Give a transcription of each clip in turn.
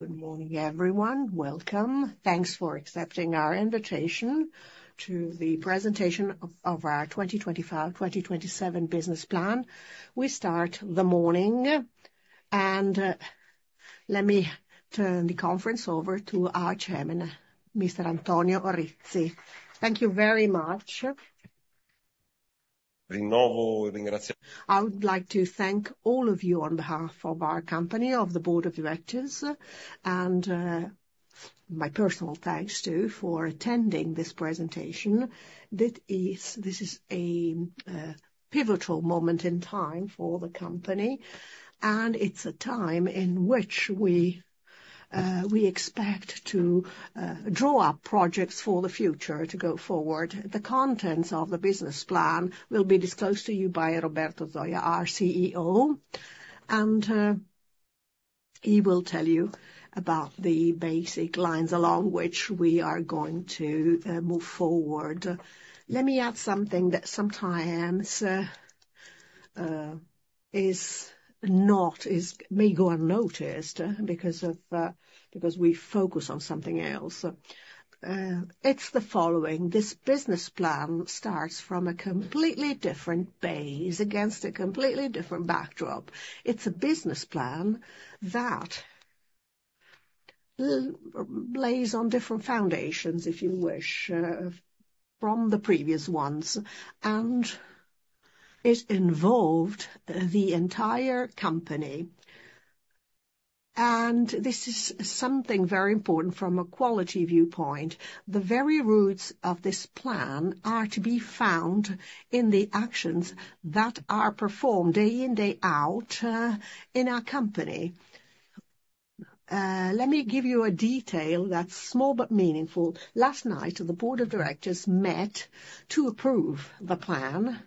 Good morning, everyone. Welcome. Thanks for accepting our invitation to the presentation of our 2025-2027 Business Plan. We start the morning, and let me turn the conference over to our chairman, Mr. Antonio Rizzi. Thank you very much. I would like to thank all of you on behalf of our company, of the board of directors, and my personal thanks too for attending this presentation. This is a pivotal moment in time for the company, and it's a time in which we expect to draw up projects for the future to go forward. The contents of the business plan will be disclosed to you by Roberto Zoia, our CEO, and he will tell you about the basic lines along which we are going to move forward. Let me add something that sometimes may go unnoticed because we focus on something else. It's the following: this business plan starts from a completely different base, against a completely different backdrop. It's a business plan that lays on different foundations, if you wish, from the previous ones, and it involved the entire company. This is something very important from a quality viewpoint. The very roots of this plan are to be found in the actions that are performed day in, day out in our company. Let me give you a detail that's small but meaningful. Last night, the board of directors met to approve the plan,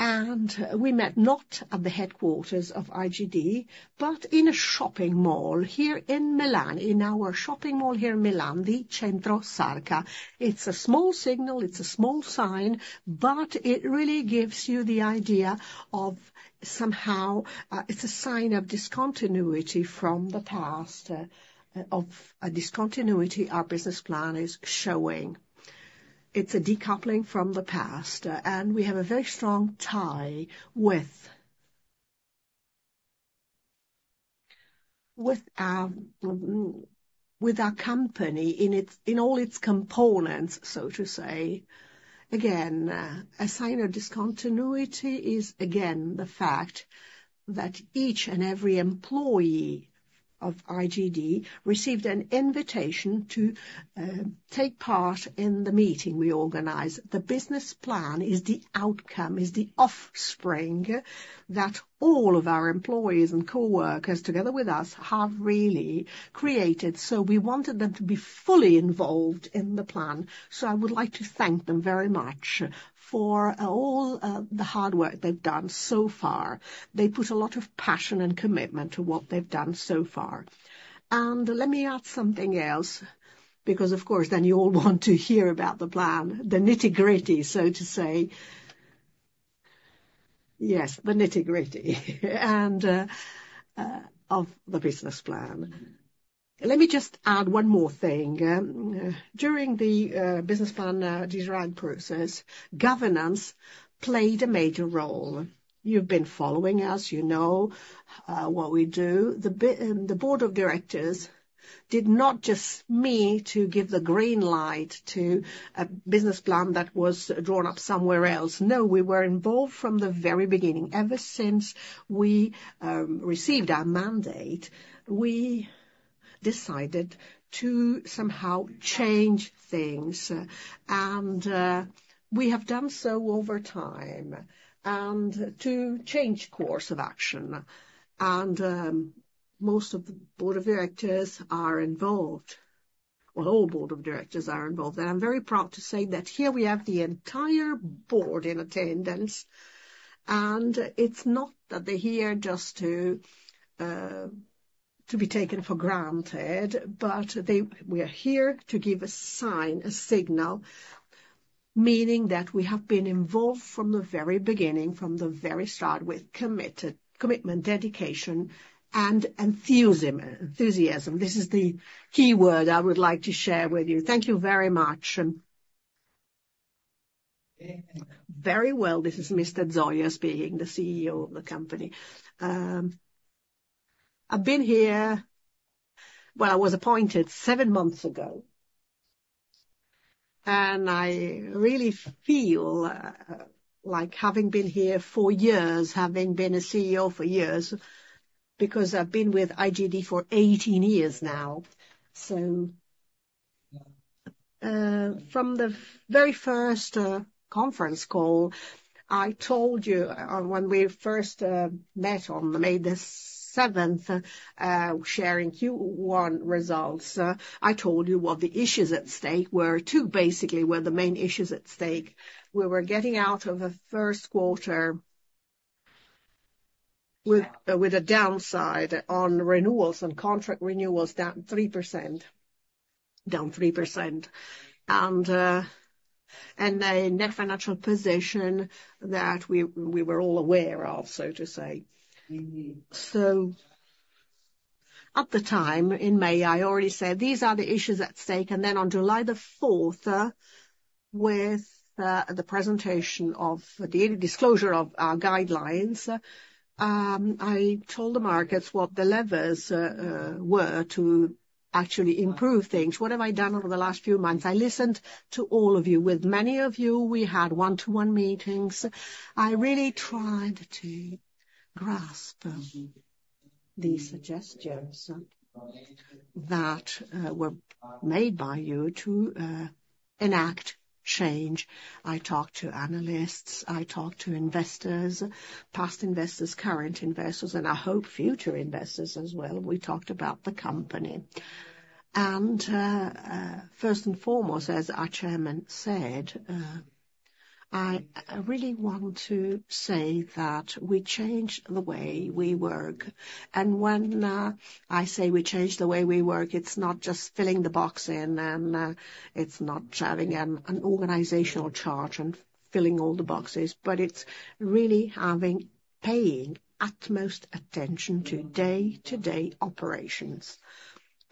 and we met not at the headquarters of IGD, but in a shopping mall here in Milan, in our shopping mall here in Milan, the Centro Sarca. It's a small signal, it's a small sign, but it really gives you the idea of somehow it's a sign of discontinuity from the past, of a discontinuity our business plan is showing. It's a decoupling from the past, and we have a very strong tie with our company in all its components, so to say. Again, a sign of discontinuity is, again, the fact that each and every employee of IGD received an invitation to take part in the meeting we organized. The business plan is the outcome, is the offspring that all of our employees and coworkers, together with us, have really created, so we wanted them to be fully involved in the plan, so I would like to thank them very much for all the hard work they've done so far. They put a lot of passion and commitment to what they've done so far, and let me add something else, because of course then you all want to hear about the plan, the nitty-gritty, so to say. Yes, the nitty-gritty of the business plan. Let me just add one more thing. During the business plan design process, governance played a major role. You've been following us, you know what we do. The board of directors did not just meet to give the green light to a business plan that was drawn up somewhere else. No, we were involved from the very beginning. Ever since we received our mandate, we decided to somehow change things, and we have done so over time and to change course of action, and most of the board of directors are involved, or all board of directors are involved, and I'm very proud to say that here we have the entire board in attendance, and it's not that they're here just to be taken for granted, but we are here to give a sign, a signal, meaning that we have been involved from the very beginning, from the very start, with commitment, dedication, and enthusiasm. This is the key word I would like to share with you. Thank you very much. Very well, this is Mr. I've been here when I was appointed seven months ago, and I really feel like having been here for years, having been a CEO for years, because I've been with IGD for 18 years now. So from the very first conference call, I told you when we first met on May the 7th, sharing Q1 results, I told you what the issues at stake were too, basically what the main issues at stake. We were getting out of a first quarter with a downside on renewals and contract renewals down 3%, down 3%, and a net financial position that we were all aware of, so to say. So at the time, in May, I already said these are the issues at stake. Then on July the 4th, with the presentation of the disclosure of our guidelines, I told the markets what the levers were to actually improve things. What have I done over the last few months? I listened to all of you. With many of you, we had one-to-one meetings. I really tried to grasp these suggestions that were made by you to enact change. I talked to analysts, I talked to investors, past investors, current investors, and I hope future investors as well. We talked about the company. And first and foremost, as our chairman said, I really want to say that we changed the way we work. And when I say we changed the way we work, it's not just filling the box in and it's not having an organizational charge and filling all the boxes, but it's really paying utmost attention to day-to-day operations.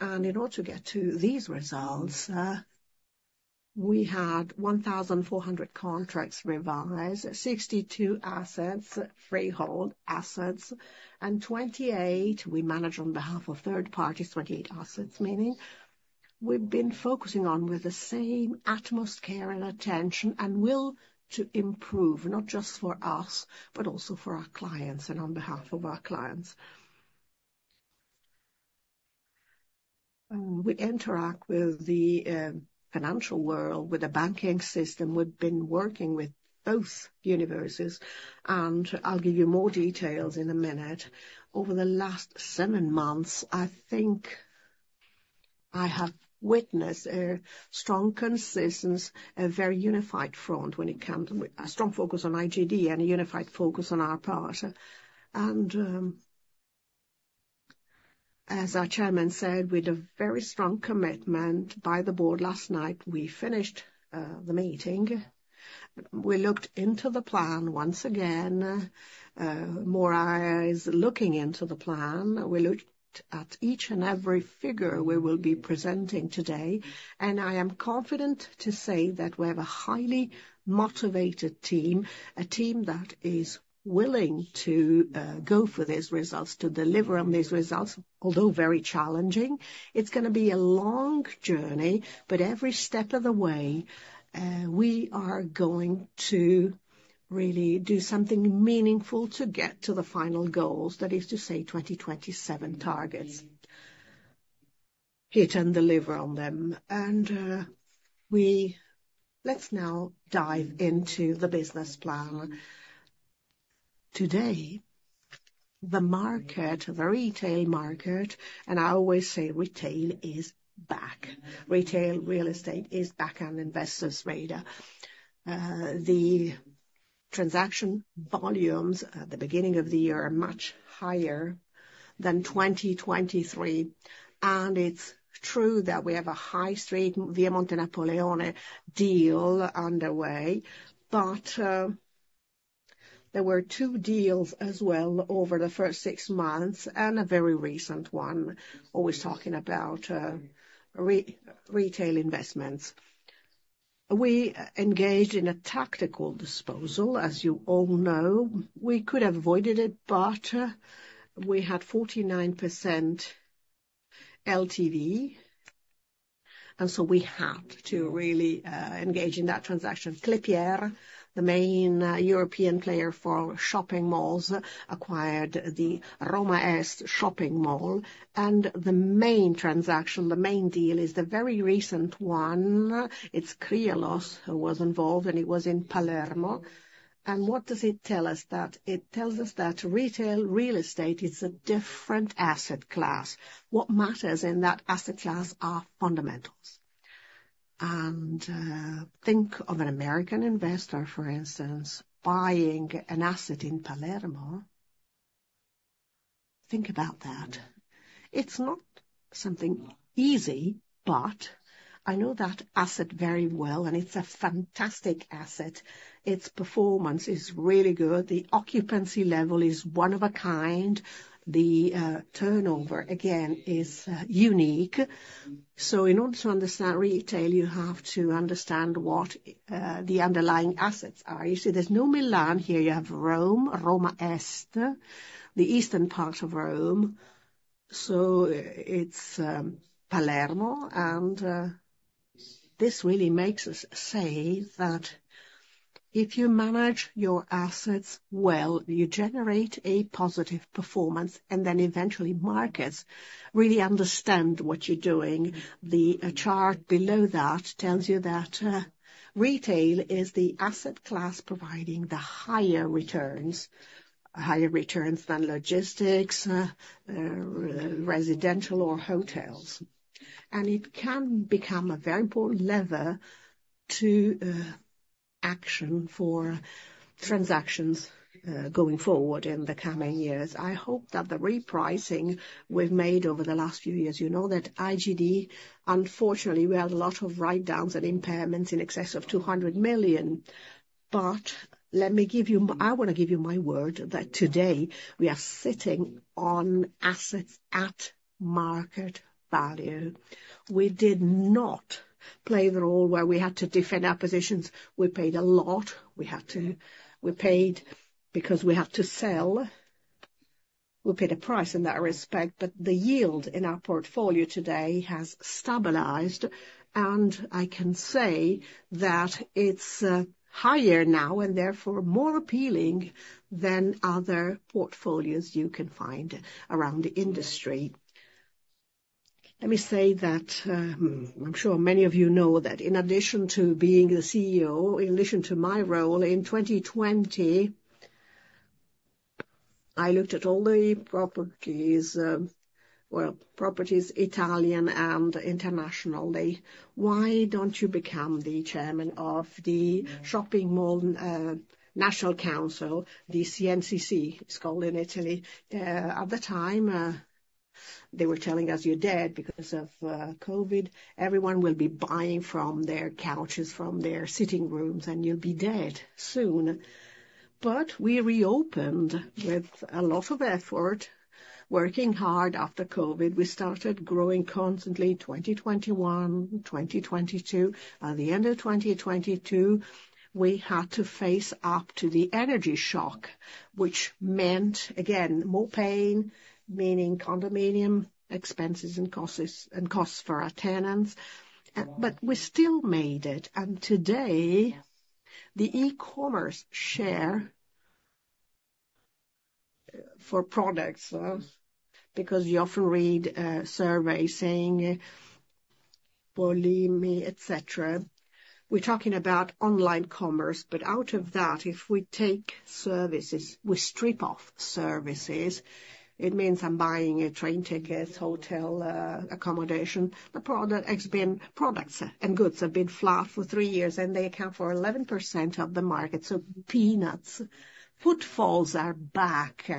In order to get to these results, we had 1,400 contracts revised, 62 assets, freehold assets, and 28 we manage on behalf of third parties, 28 assets, meaning we've been focusing on with the same utmost care and attention and will to improve, not just for us, but also for our clients and on behalf of our clients. We interact with the financial world, with the banking system. We've been working with both universes, and I'll give you more details in a minute. Over the last seven months, I think I have witnessed a strong consistency, a very unified front when it comes to a strong focus on IGD and a unified focus on our part. As our Chairman said, with a very strong commitment by the Board, last night we finished the meeting. We looked into the plan once again. More eyes looking into the plan. We looked at each and every figure we will be presenting today, and I am confident to say that we have a highly motivated team, a team that is willing to go for these results, to deliver on these results, although very challenging. It's going to be a long journey, but every step of the way, we are going to really do something meaningful to get to the final goals, that is to say 2027 targets, hit and deliver on them. And let's now dive into the business plan. Today, the market, the retail market, and I always say, retail is back. Retail real estate is back on investors' radar. The transaction volumes at the beginning of the year are much higher than 2023, and it's true that we have a high-street Via Monte Napoleone deal underway, but there were two deals as well over the first six months and a very recent one, always talking about retail investments. We engaged in a tactical disposal, as you all know. We could have avoided it, but we had 49% LTV, and so we had to really engage in that transaction. Klépier, the main European player for shopping malls, acquired the Roma Est shopping mall, and the main transaction, the main deal is the very recent one. It's Kryalos who was involved, and it was in Palermo. What does it tell us? That it tells us that retail real estate is a different asset class. What matters in that asset class are fundamentals. Think of an American investor, for instance, buying an asset in Palermo. Think about that. It's not something easy, but I know that asset very well, and it's a fantastic asset. Its performance is really good. The occupancy level is one of a kind. The turnover, again, is unique. In order to understand retail, you have to understand what the underlying assets are. You see, there's no Milan here. You have Rome, Roma Est, the eastern part of Rome. It's Palermo, and this really makes us say that if you manage your assets well, you generate a positive performance, and then eventually markets really understand what you're doing. The chart below that tells you that retail is the asset class providing the higher returns, higher returns than logistics, residential, or hotels. And it can become a very important lever to action for transactions going forward in the coming years. I hope that the repricing we've made over the last few years. You know that IGD, unfortunately, we had a lot of write-downs and impairments in excess of 200 million. But let me give you, I want to give you my word that today we are sitting on assets at market value. We did not play the role where we had to defend our positions. We paid a lot. We paid because we had to sell. We paid a price in that respect, but the yield in our portfolio today has stabilized, and I can say that it's higher now and therefore more appealing than other portfolios you can find around the industry. Let me say that I'm sure many of you know that in addition to being the CEO, in addition to my role in 2020, I looked at all the properties, well, properties Italian and international. Why don't you become the chairman of the shopping mall national council, the CNCC, it's called in Italy? At the time, they were telling us you're dead because of COVID. Everyone will be buying from their couches, from their sitting rooms, and you'll be dead soon. But we reopened with a lot of effort, working hard after COVID. We started growing constantly in 2021, 2022. By the end of 2022, we had to face up to the energy shock, which meant, again, more pain, meaning condominium expenses and costs for our tenants. But we still made it. Today, the e-commerce share for products, because you often read surveys saying, "Believe me," etc., we're talking about online commerce. But out of that, if we take services, we strip off services, it means I'm buying a train ticket, hotel accommodation. The products and goods have been flat for three years, and they account for 11% of the market. So peanuts, footfalls are back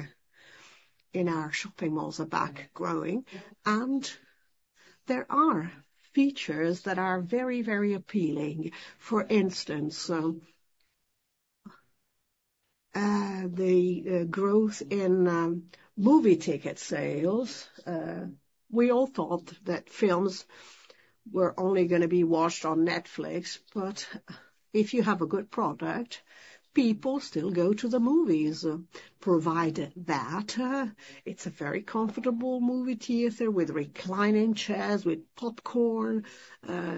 in our shopping malls are back growing. There are features that are very, very appealing. For instance, the growth in movie ticket sales. We all thought that films were only going to be watched on Netflix, but if you have a good product, people still go to the movies. Provide that. It's a very comfortable movie theater with reclining chairs, with popcorn,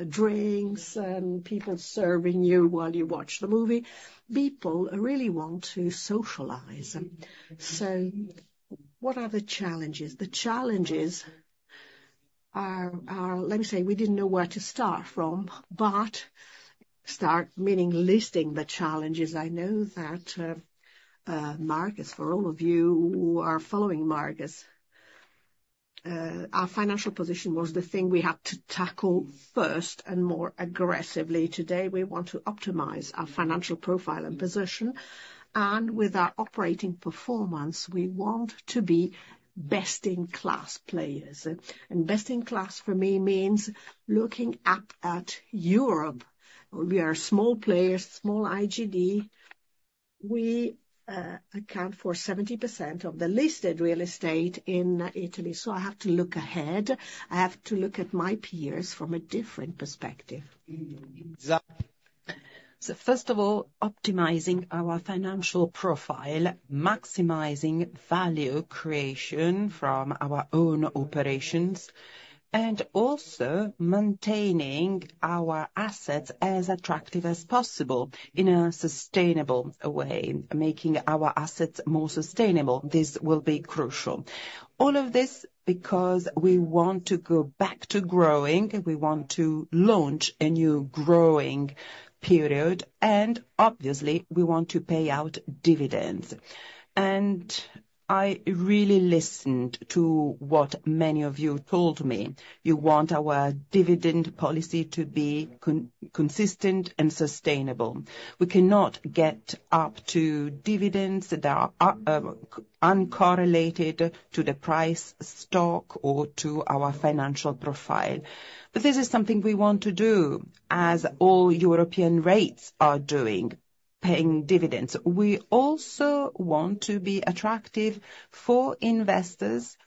drinks, and people serving you while you watch the movie. People really want to socialize. What are the challenges? The challenges are, let me say, we didn't know where to start from, but start meaning listing the challenges. I know that markets, for all of you who are following markets, our financial position was the thing we had to tackle first and more aggressively. Today, we want to optimize our financial profile and position. With our operating performance, we want to be best-in-class players. Best-in-class for me means looking up at Europe. We are small players, small IGD. We account for 70% of the listed real estate in Italy. So I have to look ahead. I have to look at my peers from a different perspective. So first of all, optimizing our financial profile, maximizing value creation from our own operations, and also maintaining our assets as attractive as possible in a sustainable way, making our assets more sustainable. This will be crucial. All of this because we want to go back to growing. We want to launch a new growing period, and obviously, we want to pay out dividends. And I really listened to what many of you told me. You want our dividend policy to be consistent and sustainable. We cannot get up to dividends that are uncorrelated to the price stock or to our financial profile. But this is something we want to do as all European rates are doing, paying dividends. We also want to be attractive for investors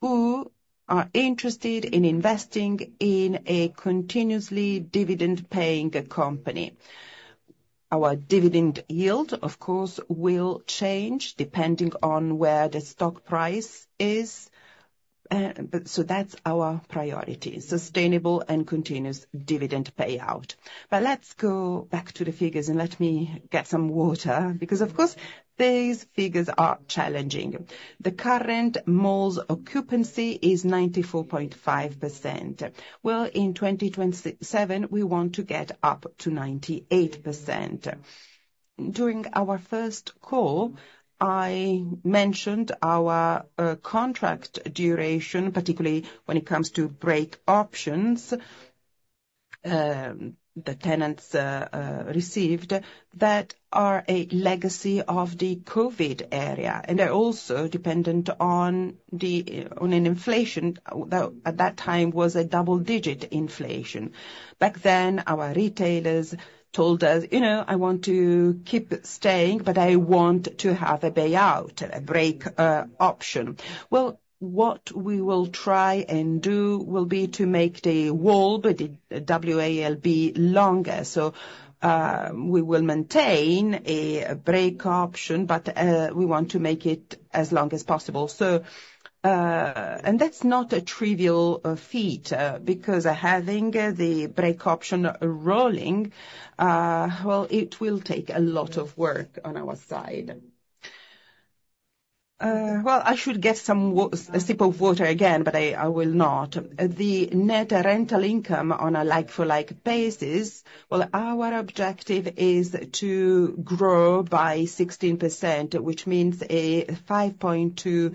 who are interested in investing in a continuously dividend-paying company. Our dividend yield, of course, will change depending on where the stock price is. So that's our priority: sustainable and continuous dividend payout. But let's go back to the figures and let me get some water because, of course, these figures are challenging. The current malls' occupancy is 94.5%. Well, in 2027, we want to get up to 98%. During our first call, I mentioned our contract duration, particularly when it comes to break options the tenants received that are a legacy of the COVID era, and they're also dependent on an inflation that at that time was a double-digit inflation. Back then, our retailers told us, "You know, I want to keep staying, but I want to have a payout, a break option." Well, what we will try and do will be to make the WALB, the W-A-L-B, longer. So we will maintain a break option, but we want to make it as long as possible. And that's not a trivial feat because having the break option rolling, well, it will take a lot of work on our side. Well, I should take a sip of water again, but I will not. The net rental income on a like-for-like basis, well, our objective is to grow by 16%, which means a 5.2%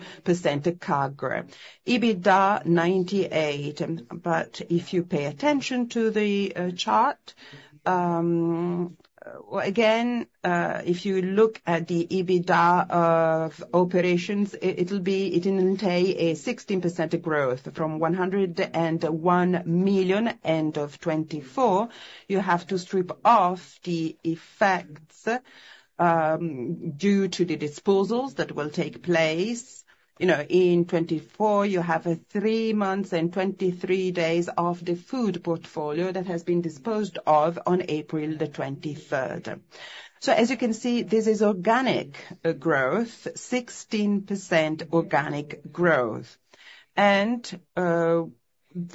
CAGR. EBITDA 98. But if you pay attention to the chart, again, if you look at the EBITDA of operations, it will entail a 16% growth from 101 million end of 2024. You have to strip off the effects due to the disposals that will take place. In 2024, you have three months and 23 days of the food portfolio that has been disposed of on April 23rd. So as you can see, this is organic growth, 16% organic growth.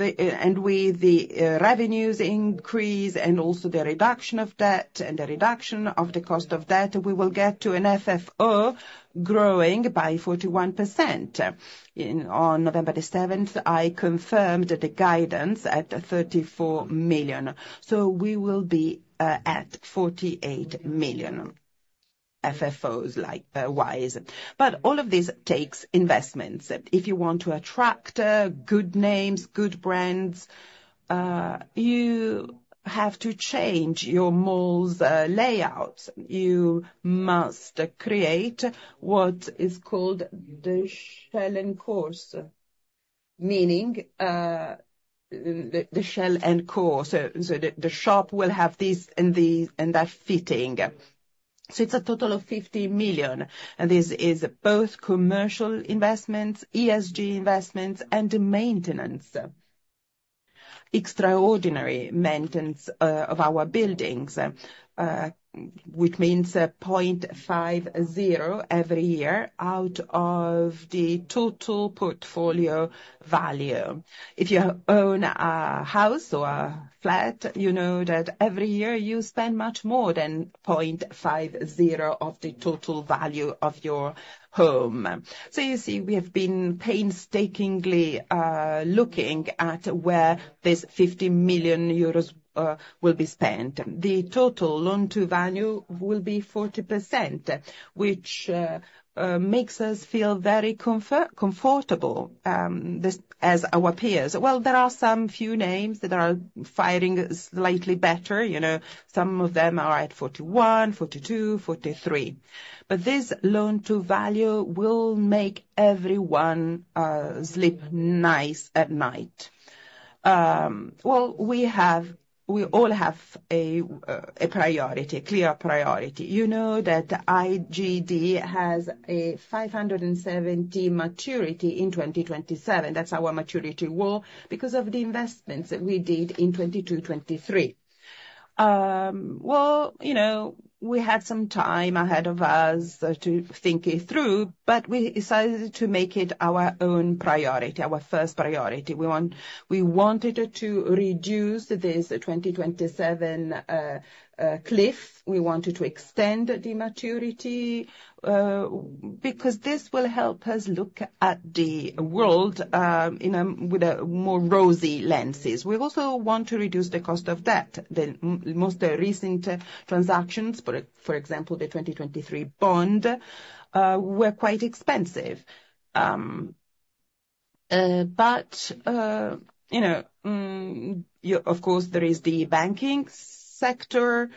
And with the revenues increase and also the reduction of debt and the reduction of the cost of debt, we will get to an FFO growing by 41%. On November 7th, I confirmed the guidance at 34 million. We will be at 48 million FFOs likewise. But all of this takes investments. If you want to attract good names, good brands, you have to change your malls' layouts. You must create what is called the shell and core, meaning the shell and core. So the shop will have this and that fitting. So it's a total of 50 million. And this is both commercial investments, ESG investments, and maintenance. Extraordinary maintenance of our buildings, which means 0.50% every year out of the total portfolio value. If you own a house or a flat, you know that every year you spend much more than 0.50% of the total value of your home. So you see, we have been painstakingly looking at where this 50 million euros will be spent. The total loan-to-value will be 40%, which makes us feel very comfortable as our peers. Well, there are some few names that are fairing slightly better. Some of them are at 41, 42, 43. But this Loan-to-Value will make everyone sleep nice at night. Well, we all have a priority, a clear priority. You know that IGD has a 570 million maturity in 2027. That's our maturity wall because of the investments that we did in 2022, 2023. Well, we had some time ahead of us to think it through, but we decided to make it our own priority, our first priority. We wanted to reduce this 2027 cliff. We wanted to extend the maturity because this will help us look at the world with more rosy lenses. We also want to reduce the cost of debt. The most recent transactions, for example, the 2023 bond, were quite expensive. But, of course, there is the banking sector,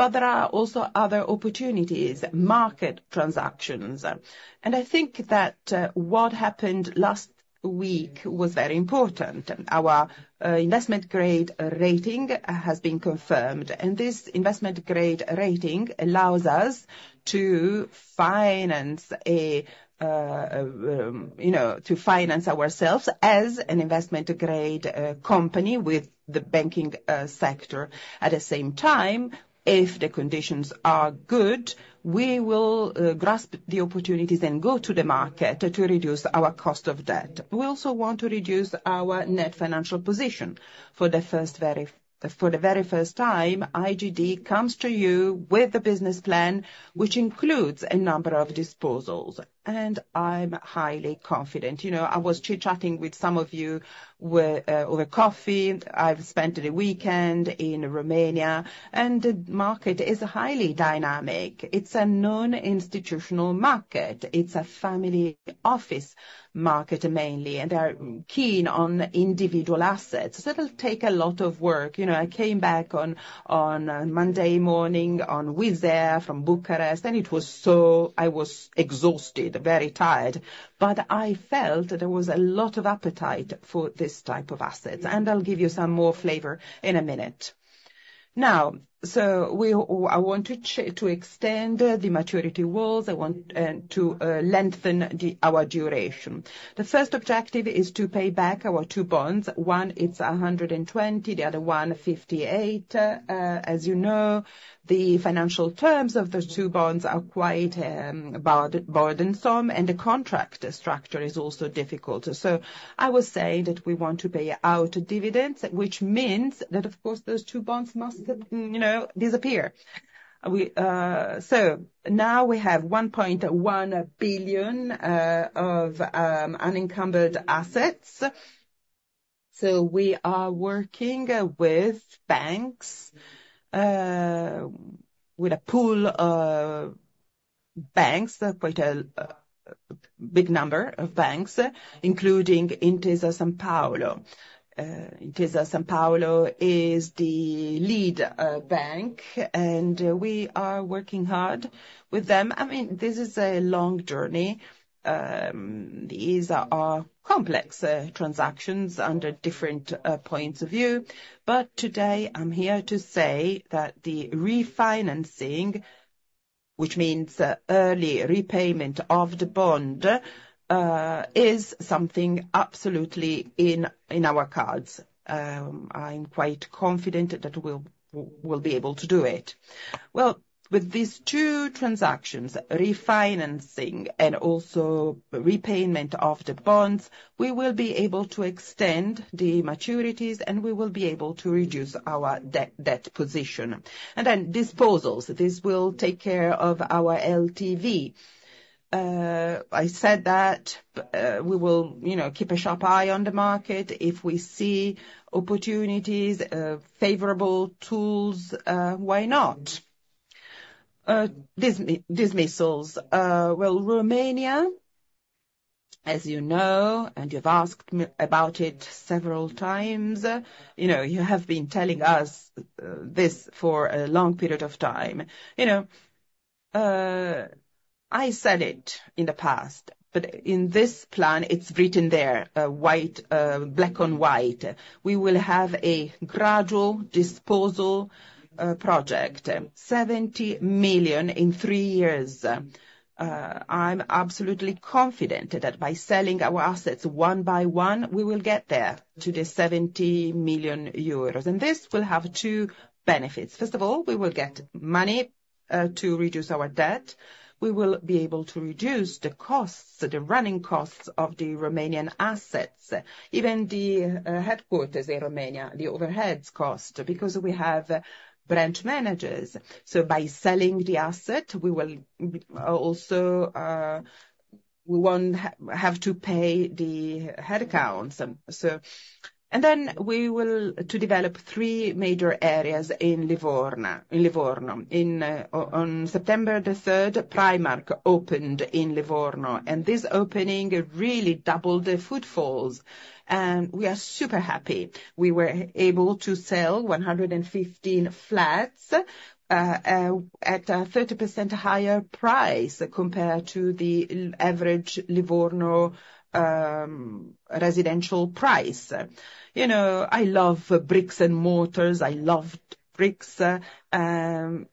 but there are also other opportunities, market transactions. I think that what happened last week was very important. Our investment-grade rating has been confirmed. This investment-grade rating allows us to finance ourselves as an investment-grade company with the banking sector. At the same time, if the conditions are good, we will grasp the opportunities and go to the market to reduce our cost of debt. We also want to reduce our net financial position. For the first time, IGD comes to you with a business plan, which includes a number of disposals. I'm highly confident. I was chit-chatting with some of you over coffee. I've spent the weekend in Romania, and the market is highly dynamic. It's a non-institutional market. It's a family office market mainly, and they're keen on individual assets. So it'll take a lot of work. I came back on Monday morning on Wizz Air from Bucharest, and it was so I was exhausted, very tired. But I felt that there was a lot of appetite for this type of assets. And I'll give you some more flavor in a minute. Now, so I want to extend the maturity walls. I want to lengthen our duration. The first objective is to pay back our two bonds. One, it's 120. The other one, 58. As you know, the financial terms of those two bonds are quite burdensome, and the contract structure is also difficult. So I would say that we want to pay out dividends, which means that, of course, those two bonds must disappear. So now we have 1.1 billion EUR of unencumbered assets. So we are working with banks, with a pool of banks, quite a big number of banks, including Intesa Sanpaolo. Intesa Sanpaolo is the lead bank, and we are working hard with them. I mean, this is a long journey. These are complex transactions under different points of view. But today, I'm here to say that the refinancing, which means early repayment of the bond, is something absolutely in our cards. I'm quite confident that we'll be able to do it. Well, with these two transactions, refinancing and also repayment of the bonds, we will be able to extend the maturities, and we will be able to reduce our debt position. And then disposals, this will take care of our LTV. I said that we will keep a sharp eye on the market. If we see opportunities, favorable tools, why not? Disposals. Well, Romania, as you know, and you've asked about it several times, you have been telling us this for a long period of time. I said it in the past, but in this plan, it's written there, black and white. We will have a gradual disposal project, 70 million EUR in three years. I'm absolutely confident that by selling our assets one by one, we will get there to the 70 million euros. And this will have two benefits. First of all, we will get money to reduce our debt. We will be able to reduce the costs, the running costs of the Romanian assets, even the headquarters in Romania, the overhead cost, because we have branch managers. So by selling the asset, we will also have to pay the headcounts. And then we will develop three major areas in Livorno. On September the 3rd, Primark opened in Livorno, and this opening really doubled the footfalls. And we are super happy. We were able to sell 115 flats at a 30% higher price compared to the average Livorno residential price. I love Bricks and Mortar. I loved Bricks. Having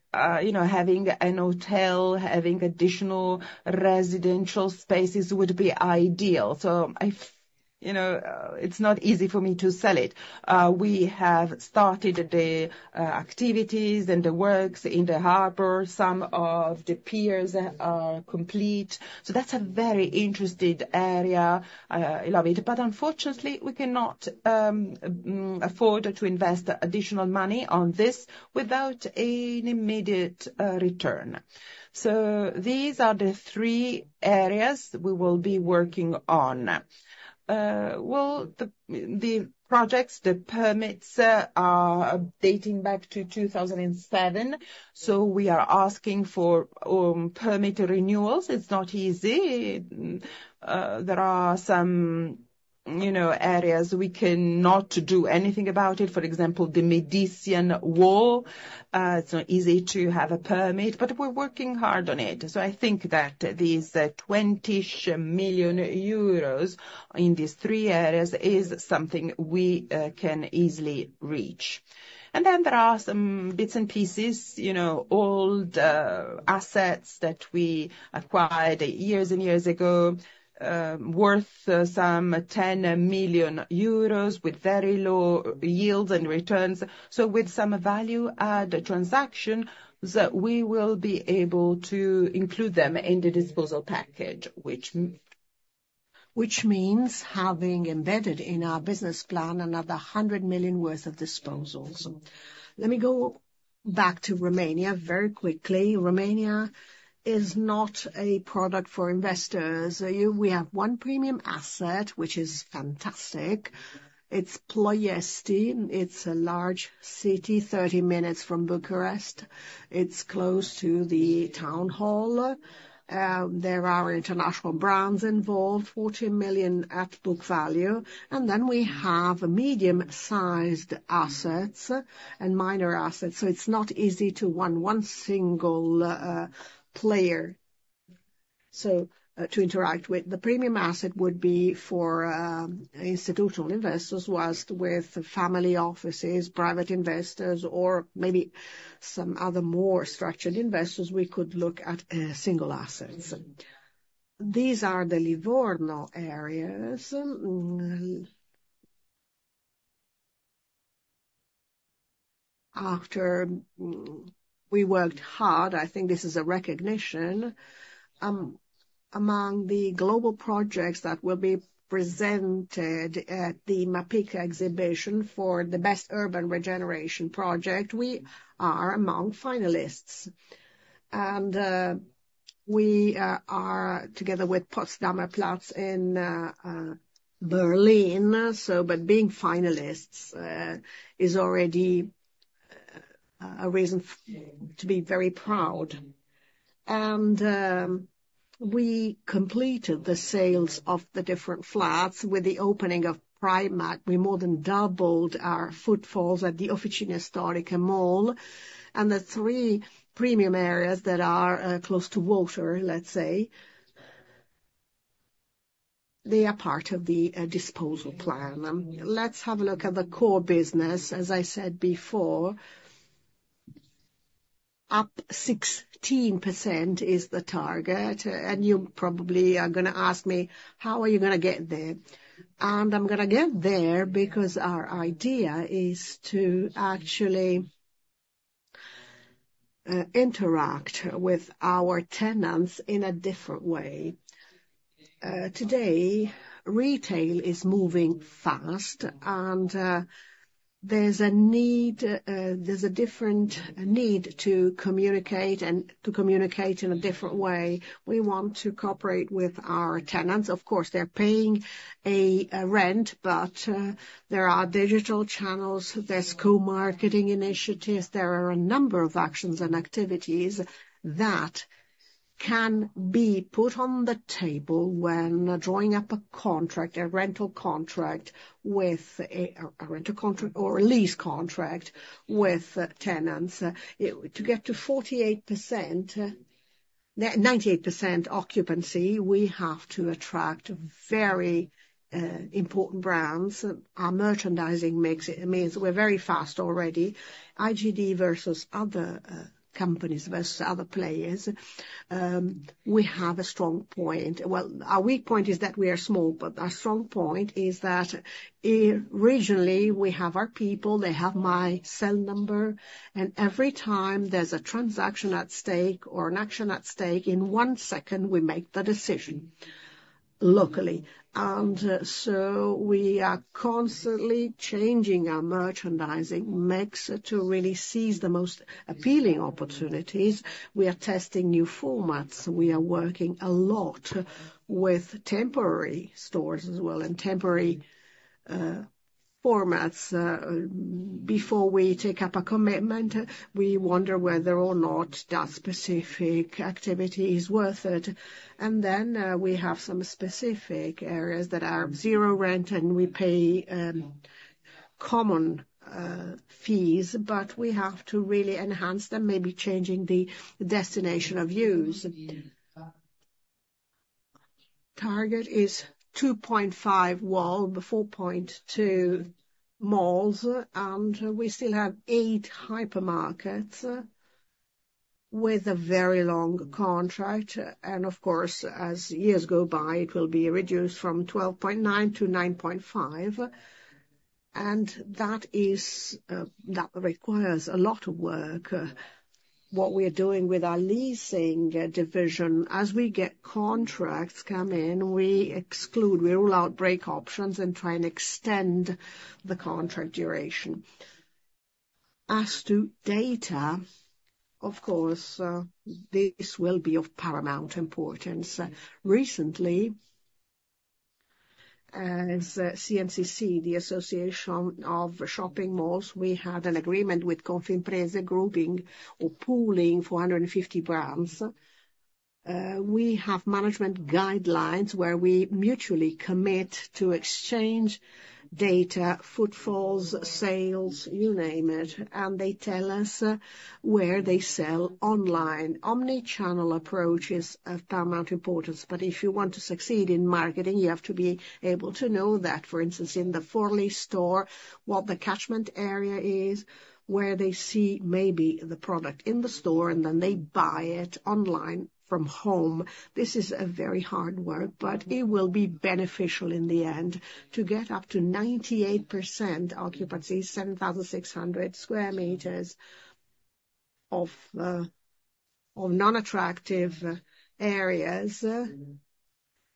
a hotel, having additional residential spaces would be ideal. So it's not easy for me to sell it. We have started the activities and the works in the harbor. Some of the piers are complete. So that's a very interesting area. I love it. But unfortunately, we cannot afford to invest additional money on this without an immediate return. So these are the three areas we will be working on. The projects, the permits are dating back to 2007. So we are asking for permit renewals. It's not easy. There are some areas we cannot do anything about it. For example, the Medicean wall. It's not easy to have a permit, but we're working hard on it. I think that these 20 million euros in these three areas is something we can easily reach. And then there are some bits and pieces, old assets that we acquired years and years ago worth some 10 million euros with very low yields and returns. So with some value-add transactions, we will be able to include them in the disposal package, which means having embedded in our business plan another 100 million EUR worth of disposals. Let me go back to Romania very quickly. Romania is not a product for investors. We have one premium asset, which is fantastic. It's Ploiești. It's a large city, 30 minutes from Bucharest. It's close to the town hall. There are international brands involved, 40 million EUR at book value. And then we have medium-sized assets and minor assets. So it's not easy to one single player to interact with. The premium asset would be for institutional investors with family offices, private investors, or maybe some other more structured investors. We could look at single assets. These are the Livorno areas. After we worked hard, I think this is a recognition. Among the global projects that will be presented at the MAPIC exhibition for the best urban regeneration project, we are among finalists. And we are together with Potsdamer Platz in Berlin. But being finalists is already a reason to be very proud. And we completed the sales of the different flats with the opening of Primark. We more than doubled our footfalls at the Officine Storiche Mall. And the three premium areas that are close to water, let's say, they are part of the disposal plan. Let's have a look at the core business. As I said before, up 16% is the target. You probably are going to ask me, how are you going to get there? I'm going to get there because our idea is to actually interact with our tenants in a different way. Today, retail is moving fast, and there's a different need to communicate and to communicate in a different way. We want to cooperate with our tenants. Of course, they're paying a rent, but there are digital channels. There's co-marketing initiatives. There are a number of actions and activities that can be put on the table when drawing up a contract, a rental contract, or a lease contract with tenants to get to 48%, 98% occupancy. We have to attract very important brands. Our merchandising makes it means we're very fast already. IGD versus other companies versus other players. We have a strong point. Our weak point is that we are small, but our strong point is that regionally, we have our people. They have my cell number, and every time there's a transaction at stake or an action at stake, in one second, we make the decision locally, and so we are constantly changing our merchandising mix to really seize the most appealing opportunities. We are testing new formats. We are working a lot with temporary stores as well and temporary formats. Before we take up a commitment, we wonder whether or not that specific activity is worth it, and then we have some specific areas that are zero rent, and we pay common fees, but we have to really enhance them, maybe changing the destination of use. Target is 2.5 WALB, 4.2 malls, and we still have eight hypermarkets with a very long contract. And of course, as years go by, it will be reduced from 12.9 to 9.5. And that requires a lot of work. What we are doing with our leasing division, as we get contracts come in, we exclude, we rule out break options, and try and extend the contract duration. As to data, of course, this will be of paramount importance. Recently, as CNCC, the Association of Shopping Malls, we had an agreement with Confimprese Grouping or Pooling for 150 brands. We have management guidelines where we mutually commit to exchange data, footfalls, sales, you name it, and they tell us where they sell online. Omnichannel approach is of paramount importance. But if you want to succeed in marketing, you have to be able to know that, for instance, in the Forlì store, what the catchment area is, where they see maybe the product in the store, and then they buy it online from home. This is very hard work, but it will be beneficial in the end to get up to 98% occupancy, 7,600 square meters of non-attractive areas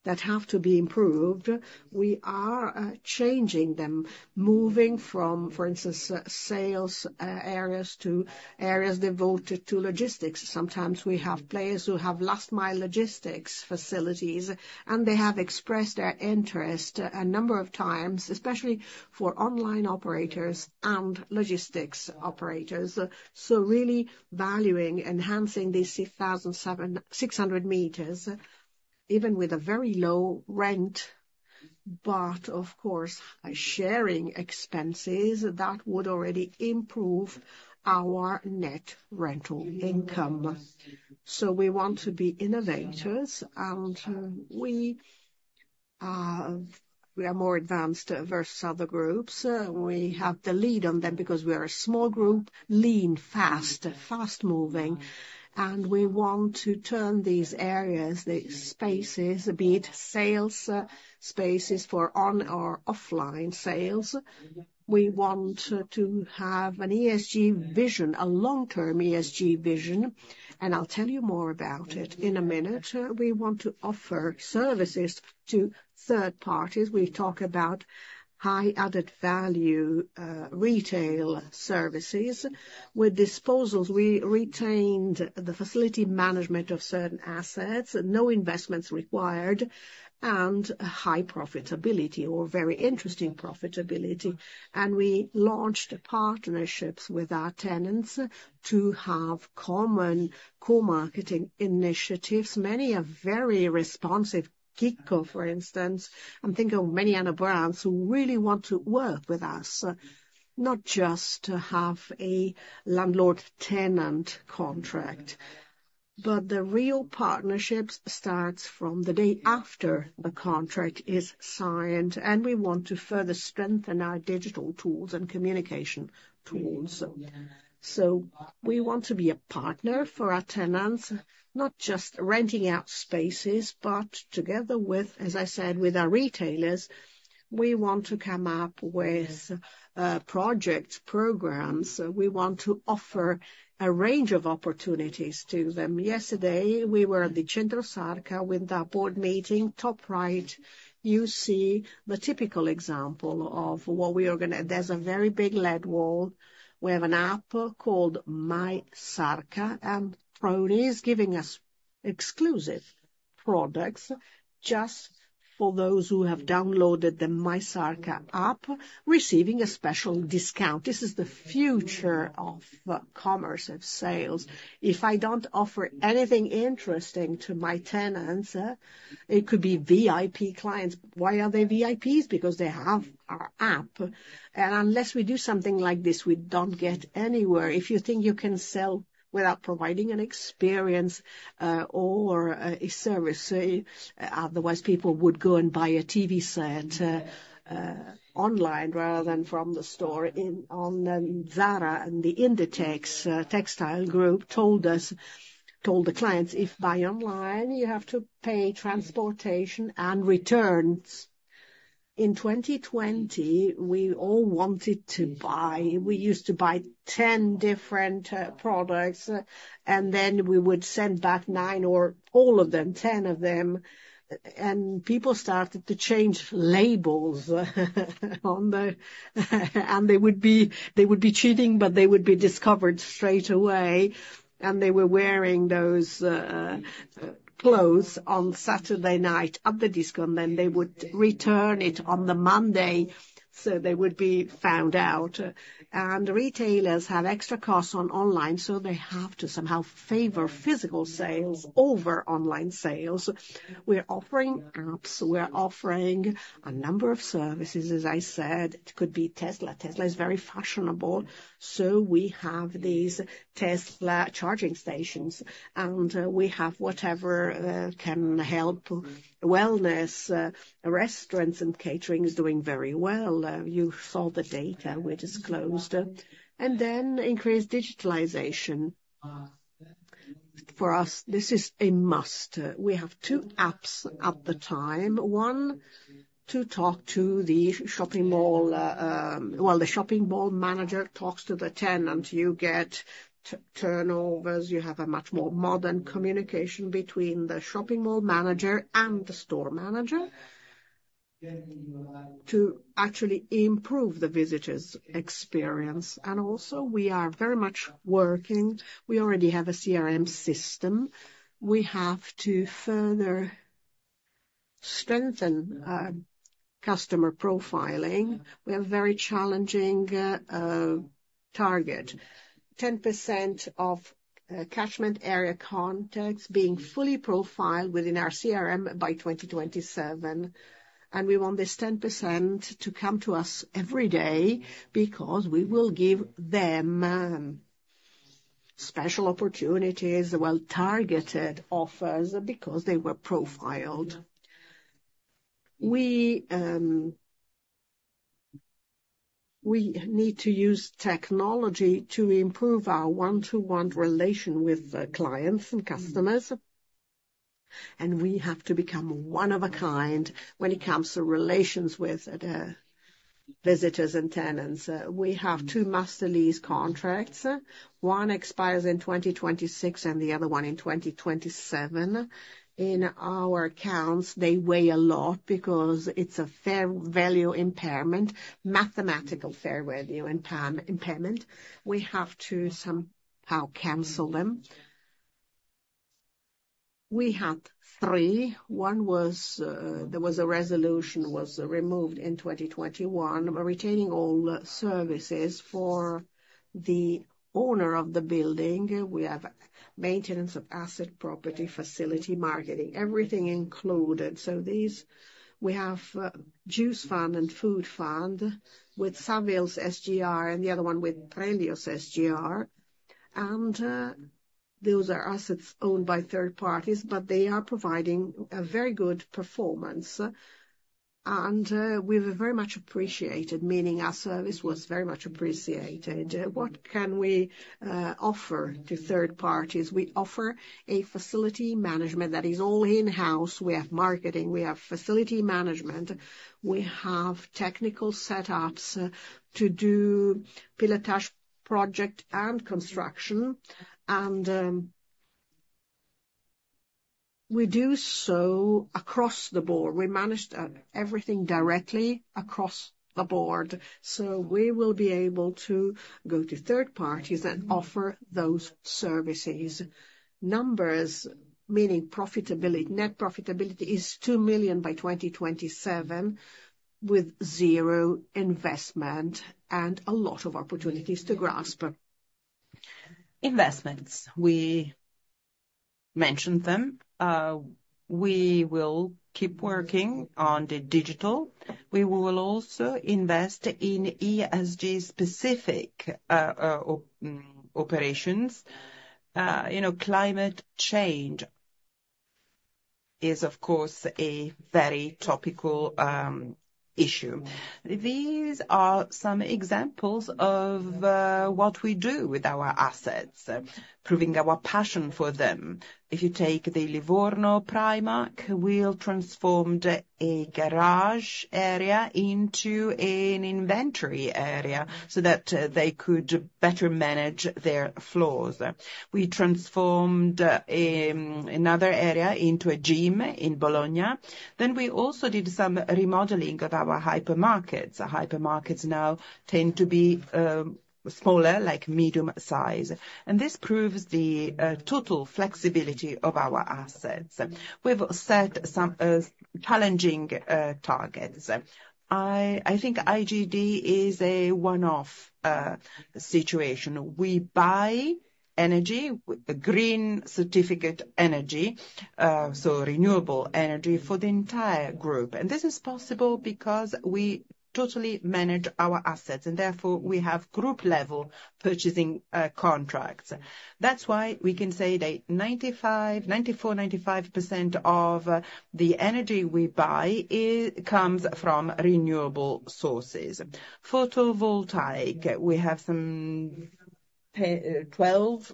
that have to be improved. We are changing them, moving from, for instance, sales areas to areas devoted to logistics. Sometimes we have players who have last-mile logistics facilities, and they have expressed their interest a number of times, especially for online operators and logistics operators. So really valuing, enhancing these 600 meters, even with a very low rent, but of course, sharing expenses that would already improve our net rental income. So we want to be innovators, and we are more advanced versus other groups. We have the lead on them because we are a small group, lean, fast, fast-moving. And we want to turn these areas, these spaces, be it sales spaces for on or offline sales. We want to have an ESG vision, a long-term ESG vision. And I'll tell you more about it in a minute. We want to offer services to third parties. We talk about high-added value retail services. With disposals, we retained the facility management of certain assets, no investments required, and high profitability or very interesting profitability. And we launched partnerships with our tenants to have common co-marketing initiatives. Many are very responsive. Kiko, for instance, I'm thinking of many other brands who really want to work with us, not just to have a landlord-tenant contract. But the real partnership starts from the day after the contract is signed. And we want to further strengthen our digital tools and communication tools. So we want to be a partner for our tenants, not just renting out spaces, but together with, as I said, with our retailers, we want to come up with project programs. We want to offer a range of opportunities to them. Yesterday, we were at the Centro Sarca with our board meeting. Top right, you see the typical example of what we are going to do. There's a very big LED wall. We have an app called MySarca. And Prodi is giving us exclusive products just for those who have downloaded the MySarca app, receiving a special discount. This is the future of commerce, of sales. If I don't offer anything interesting to my tenants, it could be VIP clients. Why are they VIPs? Because they have our app. And unless we do something like this, we don't get anywhere. If you think you can sell without providing an experience or a service, otherwise people would go and buy a TV set online rather than from the store. And Zara and the Inditex textile group told us, told the clients, "If you buy online, you have to pay transportation and returns." In 2020, we all wanted to buy. We used to buy 10 different products, and then we would send back nine or all of them, 10 of them. And people started to change labels on the—and they would be cheating, but they would be discovered straight away. And they were wearing those clothes on Saturday night at the disco, and then they would return it on the Monday. So they would be found out. Retailers have extra costs on online, so they have to somehow favor physical sales over online sales. We're offering apps. We're offering a number of services, as I said. It could be Tesla. Tesla is very fashionable. So we have these Tesla charging stations, and we have whatever can help wellness, restaurants, and catering is doing very well. You saw the data we disclosed. And then increased digitalization. For us, this is a must. We have two apps at the time. One, to talk to the shopping mall, well, the shopping mall manager talks to the tenant. You get turnovers. You have a much more modern communication between the shopping mall manager and the store manager to actually improve the visitor's experience. And also, we are very much working. We already have a CRM system. We have to further strengthen customer profiling. We have a very challenging target. 10% of catchment area contacts being fully profiled within our CRM by 2027. And we want this 10% to come to us every day because we will give them special opportunities, well-targeted offers because they were profiled. We need to use technology to improve our one-to-one relation with clients and customers. And we have to become one of a kind when it comes to relations with visitors and tenants. We have two master lease contracts. One expires in 2026 and the other one in 2027. In our accounts, they weigh a lot because it's a fair value impairment, mathematical fair value impairment. We have to somehow cancel them. We had three. One was. There was a resolution that was removed in 2021. We're retaining all services for the owner of the building. We have maintenance of asset property, facility, marketing, everything included. We have Juice Fund and Food Fund with Savills SGR and the other one with Prelios SGR. Those are assets owned by third parties, but they are providing a very good performance. We were very much appreciated, meaning our service was very much appreciated. What can we offer to third parties? We offer a facility management that is all in-house. We have marketing. We have facility management. We have technical setups to do pilotage project and construction. We do so across the board. We manage everything directly across the board. We will be able to go to third parties and offer those services. Numbers, meaning net profitability is 2 million by 2027 with zero investment and a lot of opportunities to grasp. Investments. We mentioned them. We will keep working on the digital. We will also invest in ESG-specific operations. Climate change is, of course, a very topical issue. These are some examples of what we do with our assets, proving our passion for them. If you take the Livorno Primark, we transformed a garage area into an inventory area so that they could better manage their floors. We transformed another area into a gym in Bologna. Then we also did some remodeling of our hypermarkets. Hypermarkets now tend to be smaller, like medium size. And this proves the total flexibility of our assets. We've set some challenging targets. I think IGD is a one-off situation. We buy energy, green certificate energy, so renewable energy for the entire group. And this is possible because we totally manage our assets. And therefore, we have group-level purchasing contracts. That's why we can say that 94%-95% of the energy we buy comes from renewable sources. Photovoltaic, we have some 12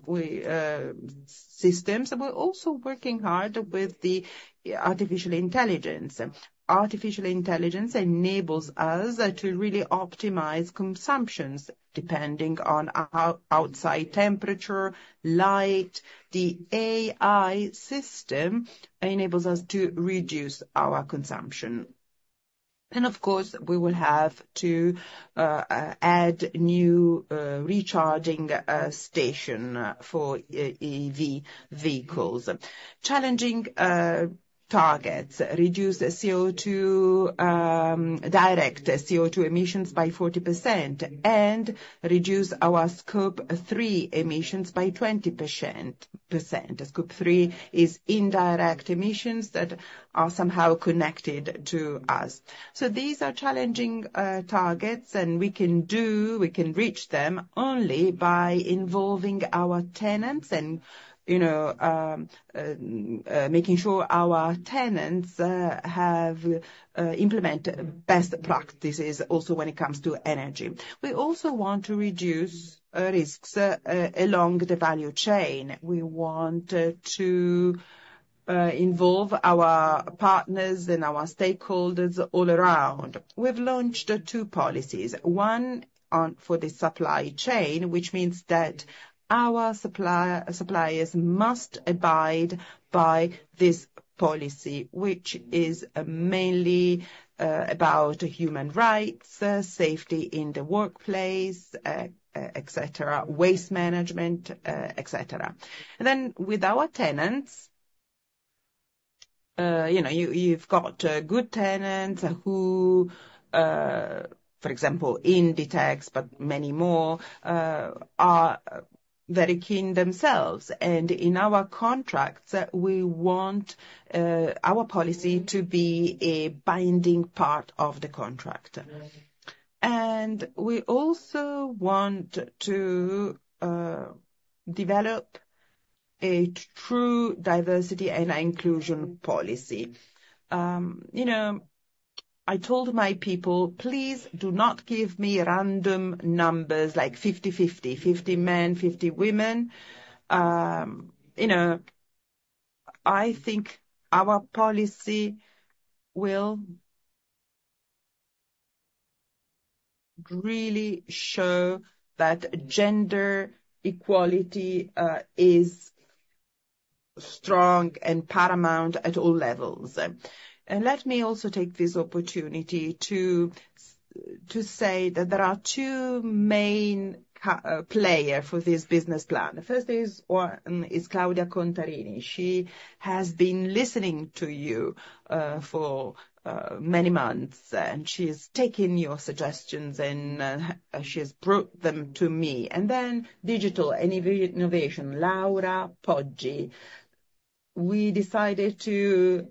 systems. We're also working hard with the artificial intelligence. Artificial intelligence enables us to really optimize consumptions depending on outside temperature, light. The AI system enables us to reduce our consumption. Of course, we will have to add new recharging station for EV vehicles. Challenging targets, reduce direct CO2 emissions by 40% and reduce our Scope 3 emissions by 20%. Scope 3 is indirect emissions that are somehow connected to us. These are challenging targets, and we can do, we can reach them only by involving our tenants and making sure our tenants have implemented best practices also when it comes to energy. We also want to reduce risks along the value chain. We want to involve our partners and our stakeholders all around. We've launched two policies. One for the supply chain, which means that our suppliers must abide by this policy, which is mainly about human rights, safety in the workplace, etc., waste management, etc. And then with our tenants, you've got good tenants who, for example, Inditex, but many more are very keen themselves. And in our contracts, we want our policy to be a binding part of the contract. And we also want to develop a true diversity and inclusion policy. I told my people, "Please do not give me random numbers like 50-50, 50 men, 50 women." I think our policy will really show that gender equality is strong and paramount at all levels. And let me also take this opportunity to say that there are two main players for this business plan. The first one is Claudia Contarini. She has been listening to you for many months, and she's taken your suggestions, and she has brought them to me, and then digital and innovation, Laura Poggi. We decided to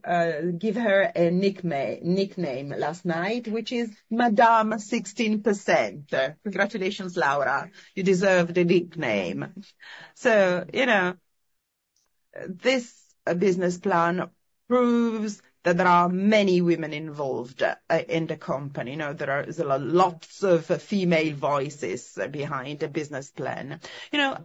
give her a nickname last night, which is Madame 16%. Congratulations, Laura. You deserve the nickname, so this business plan proves that there are many women involved in the company. There are lots of female voices behind a business plan.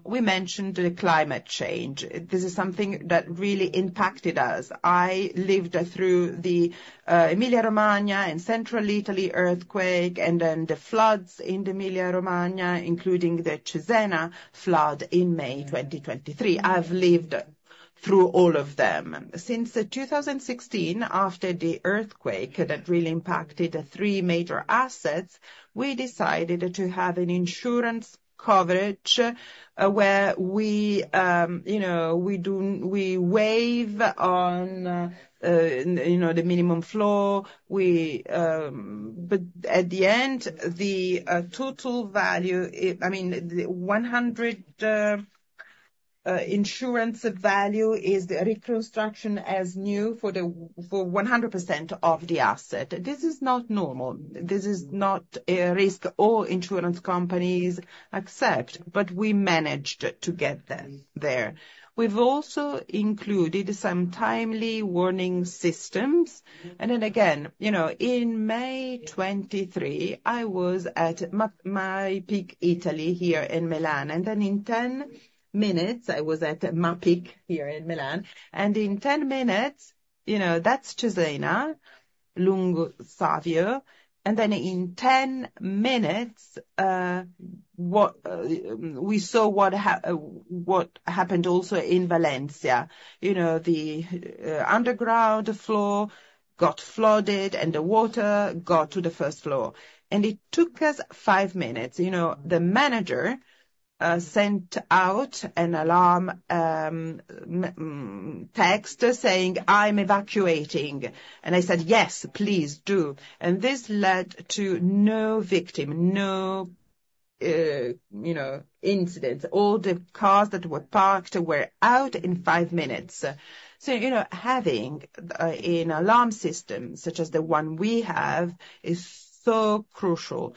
We mentioned climate change. This is something that really impacted us. I lived through the Emilia-Romagna and Central Italy earthquake and then the floods in Emilia-Romagna, including the Cesena flood in May 2023. I've lived through all of them. Since 2016, after the earthquake that really impacted three major assets, we decided to have an insurance coverage where we waive on the minimum floor. But at the end, the total value, I mean, the 100% insurance value is the reconstruction as new for 100% of the asset. This is not normal. This is not a risk all insurance companies accept, but we managed to get there. We've also included some timely warning systems. And then again, in May 2023, I was at MAPIC Italy here in Milan. And then in 10 minutes, I was at MAPIC here in Milan. And in 10 minutes, that's Cesena, Lungo Savio. And then in 10 minutes, we saw what happened also in Valencia. The underground floor got flooded, and the water got to the first floor. And it took us five minutes. The manager sent out an alarm text saying, "I'm evacuating." And I said, "Yes, please do." And this led to no victim, no incident. All the cars that were parked were out in five minutes. Having an alarm system such as the one we have is so crucial,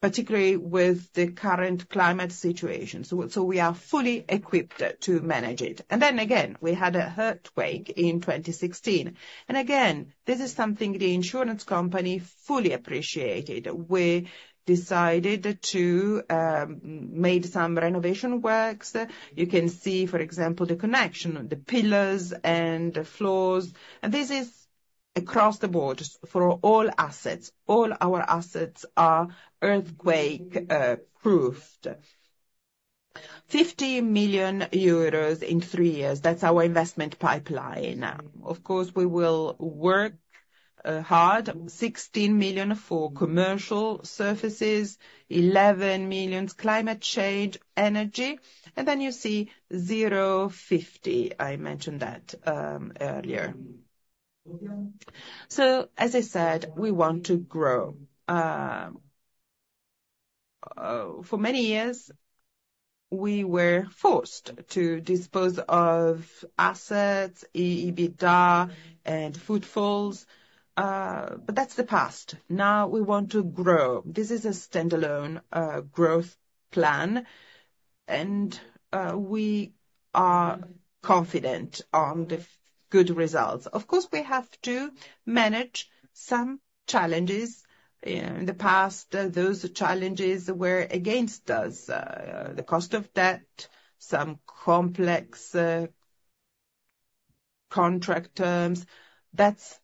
particularly with the current climate situation. We are fully equipped to manage it. Then again, we had an earthquake in 2016. Again, this is something the insurance company fully appreciated. We decided to make some renovation works. You can see, for example, the connection, the pillars and the floors. This is across the board for all assets. All our assets are earthquake-proofed. 50 million euros in three years. That's our investment pipeline. Of course, we will work hard. 16 million for commercial services, 11 million climate change, energy. Then you see zero 50. I mentioned that earlier. As I said, we want to grow. For many years, we were forced to dispose of assets, EBITDA, and footfalls. That's the past. Now we want to grow. This is a standalone growth plan. And we are confident on the good results. Of course, we have to manage some challenges. In the past, those challenges were against us. The cost of debt, some complex contract terms. That's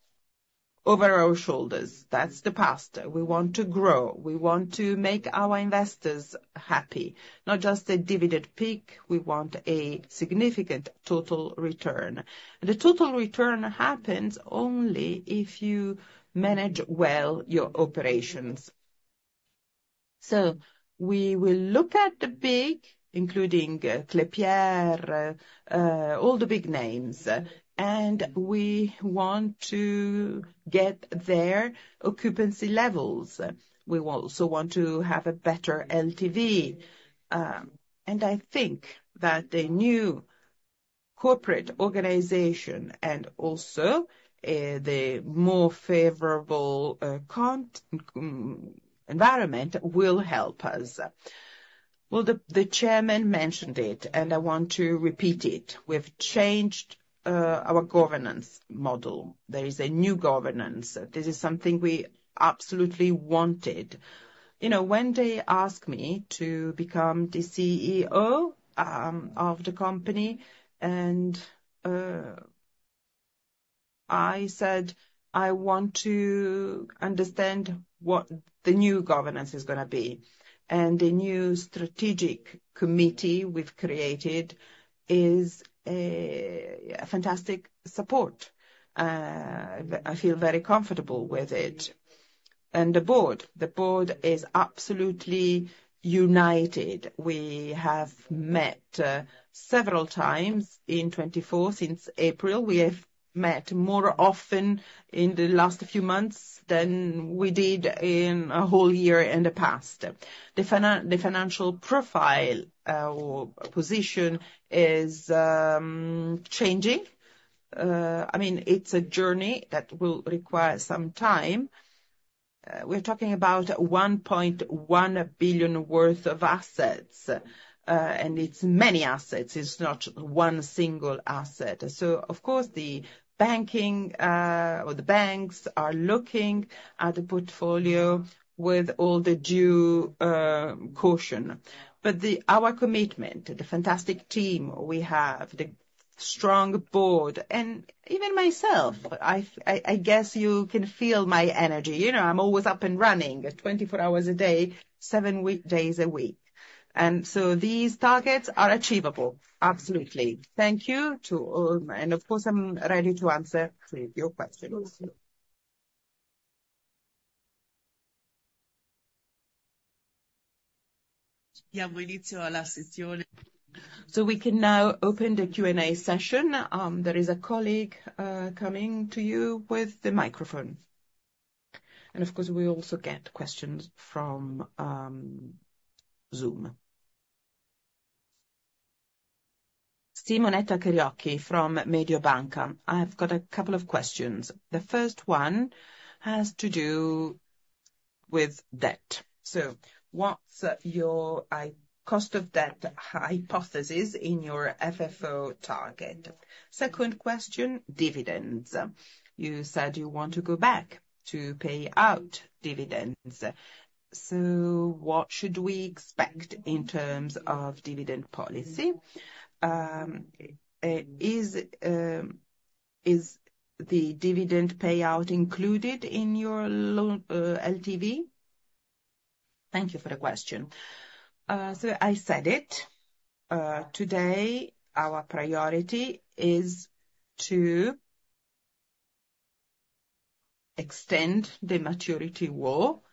over our shoulders. That's the past. We want to grow. We want to make our investors happy. Not just a dividend peak. We want a significant total return. And the total return happens only if you manage well your operations. So we will look at the big, including Klépier, all the big names. And we want to get their occupancy levels. We also want to have a better LTV. And I think that the new corporate organization and also the more favorable environment will help us. Well, the chairman mentioned it, and I want to repeat it. We've changed our governance model. There is a new governance. This is something we absolutely wanted. When they asked me to become the CEO of the company, and I said, "I want to understand what the new governance is going to be." And the new strategic committee we've created is a fantastic support. I feel very comfortable with it. And the board, the board is absolutely united. We have met several times in 2024 since April. We have met more often in the last few months than we did in a whole year in the past. The financial profile position is changing. I mean, it's a journey that will require some time. We're talking about 1.1 billion worth of assets. And it's many assets. It's not one single asset. So of course, the banking or the banks are looking at the portfolio with all the due caution. But our commitment, the fantastic team we have, the strong board, and even myself, I guess you can feel my energy. I'm always up and running 24 hours a day, seven days a week. And so these targets are achievable. Absolutely. Thank you to all. And of course, I'm ready to answer your questions. Yeah, we need to allow. So we can now open the Q&A session. There is a colleague coming to you with the microphone. And of course, we also get questions from Zoom. Simonetta Chiodi from Mediobanca. I've got a couple of questions. The first one has to do with debt. So what's your cost of debt hypothesis in your FFO target? Second question, dividends. You said you want to go back to pay out dividends. So what should we expect in terms of dividend policy? Is the dividend payout included in your LTV? Thank you for the question. So I said it. Today, our priority is to extend the maturity wall.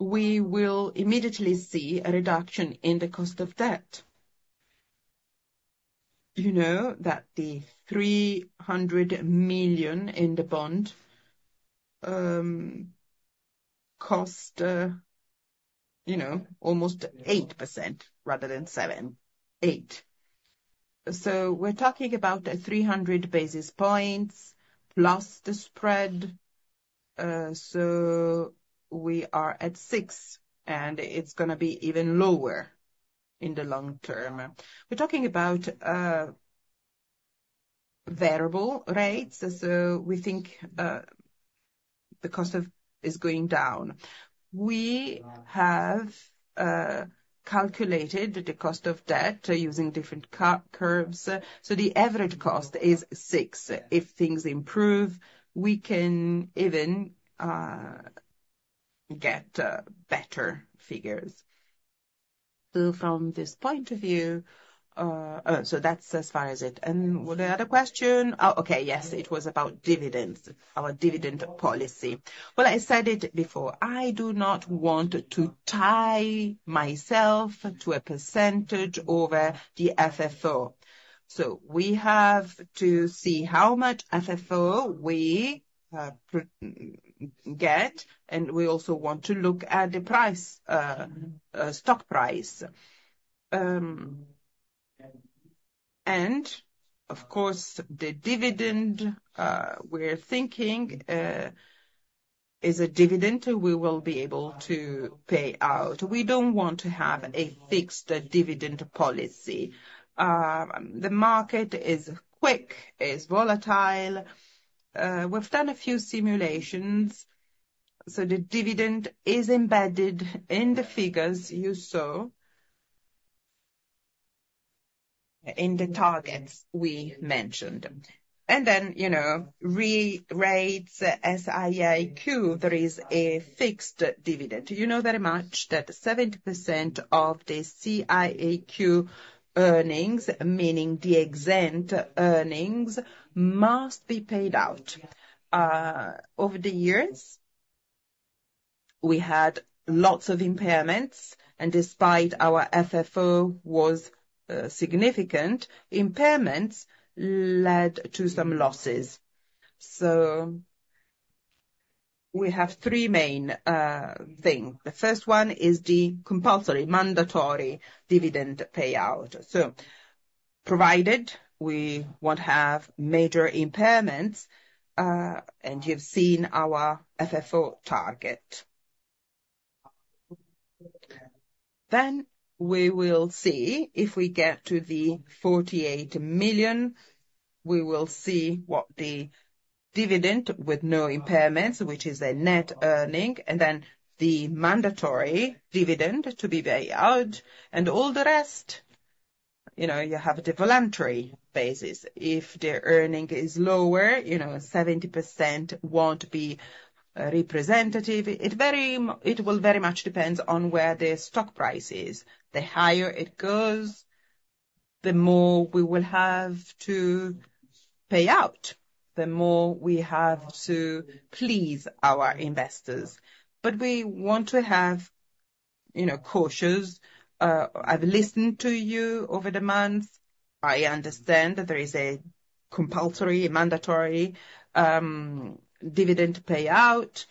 We will immediately see a reduction in the cost of debt. You know that the 300 million in the bond cost almost 8% rather than 7.8%. So we're talking about 300 basis points plus the spread. So we are at 6%, and it's going to be even lower in the long term. We're talking about variable rates. So we think the cost is going down. We have calculated the cost of debt using different curves. So the average cost is 6%. If things improve, we can even get better figures. So from this point of view, so that's as far as it. What about the other question? Oh, okay. Yes, it was about dividends, our dividend policy. Well, I said it before. I do not want to tie myself to a percentage over the FFO. So we have to see how much FFO we get. And we also want to look at the stock price. And of course, the dividend we're thinking is a dividend we will be able to pay out. We don't want to have a fixed dividend policy. The market is quick, is volatile. We've done a few simulations. So the dividend is embedded in the figures you saw in the targets we mentioned. And then, as SIIQ, there is a fixed dividend. You know very much that 70% of the SIIQ earnings, meaning the exempt earnings, must be paid out over the years. We had lots of impairments. And despite our FFO was significant, impairments led to some losses. So we have three main things. The first one is the compulsory, mandatory dividend payout. Provided we won't have major impairments, and you've seen our FFO target. Then we will see if we get to the 48 million, we will see what the dividend with no impairments, which is a net earning, and then the mandatory dividend to be paid out. And all the rest, you have a discretionary basis. If the earning is lower, 70% won't be representative. It will very much depend on where the stock price is. The higher it goes, the more we will have to pay out, the more we have to please our investors. But we want to be cautious. I've listened to you over the month. I understand that there is a compulsory, mandatory dividend payout.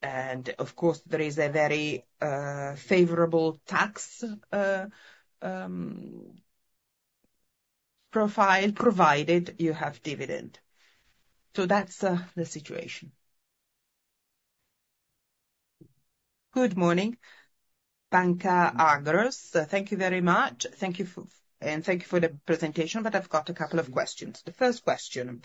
And of course, there is a very favorable tax profile provided you have dividend. So that's the situation. Good morning, Banca Akros. Thank you very much. Thank you for the presentation, but I've got a couple of questions. The first question,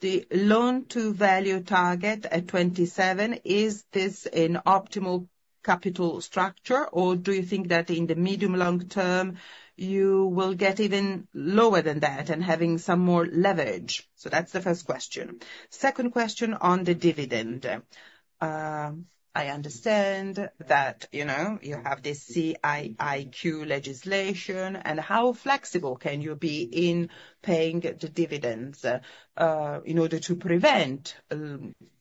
the Loan-to-Value target at 27%, is this an optimal capital structure, or do you think that in the medium-long term, you will get even lower than that and having some more leverage? That is the first question. Second question on the dividend. I understand that you have the SIIQ legislation. How flexible can you be in paying the dividends in order to prevent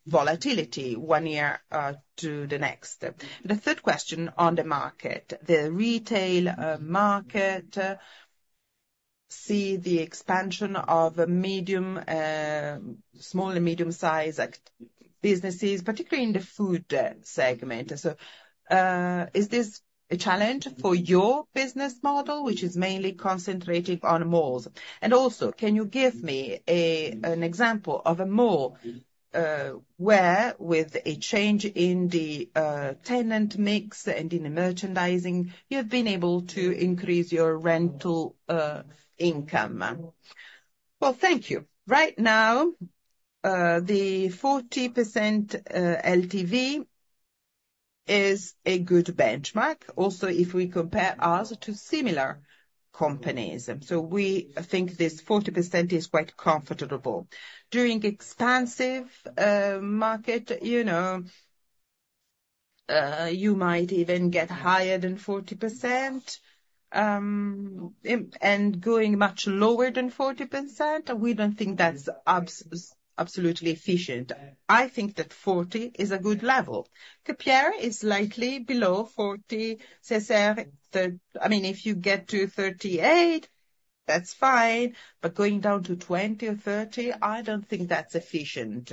volatility one year to the next? The third question on the market, the retail market, see the expansion of small and medium-sized businesses, particularly in the food segment. Is this a challenge for your business model, which is mainly concentrating on malls? And also, can you give me an example of a mall where with a change in the tenant mix and in the merchandising, you've been able to increase your rental income? Well, thank you. Right now, the 40% LTV is a good benchmark. Also, if we compare us to similar companies, so we think this 40% is quite comfortable. During expansive market, you might even get higher than 40% and going much lower than 40%. We don't think that's absolutely efficient. I think that 40 is a good level. Klépier is slightly below 40. I mean, if you get to 38, that's fine. But going down to 20 or 30, I don't think that's efficient.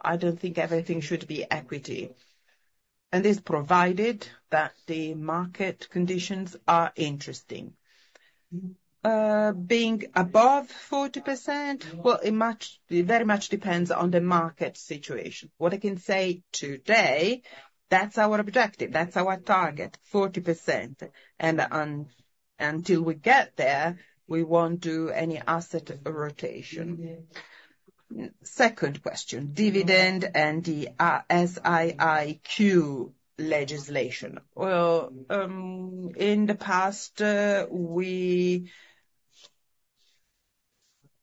I don't think everything should be equity. And this provided that the market conditions are interesting. Being above 40%, well, it very much depends on the market situation. What I can say today, that's our objective. That's our target, 40%. And until we get there, we won't do any asset rotation. Second question, dividend and the SIIQ legislation. Well, in the past,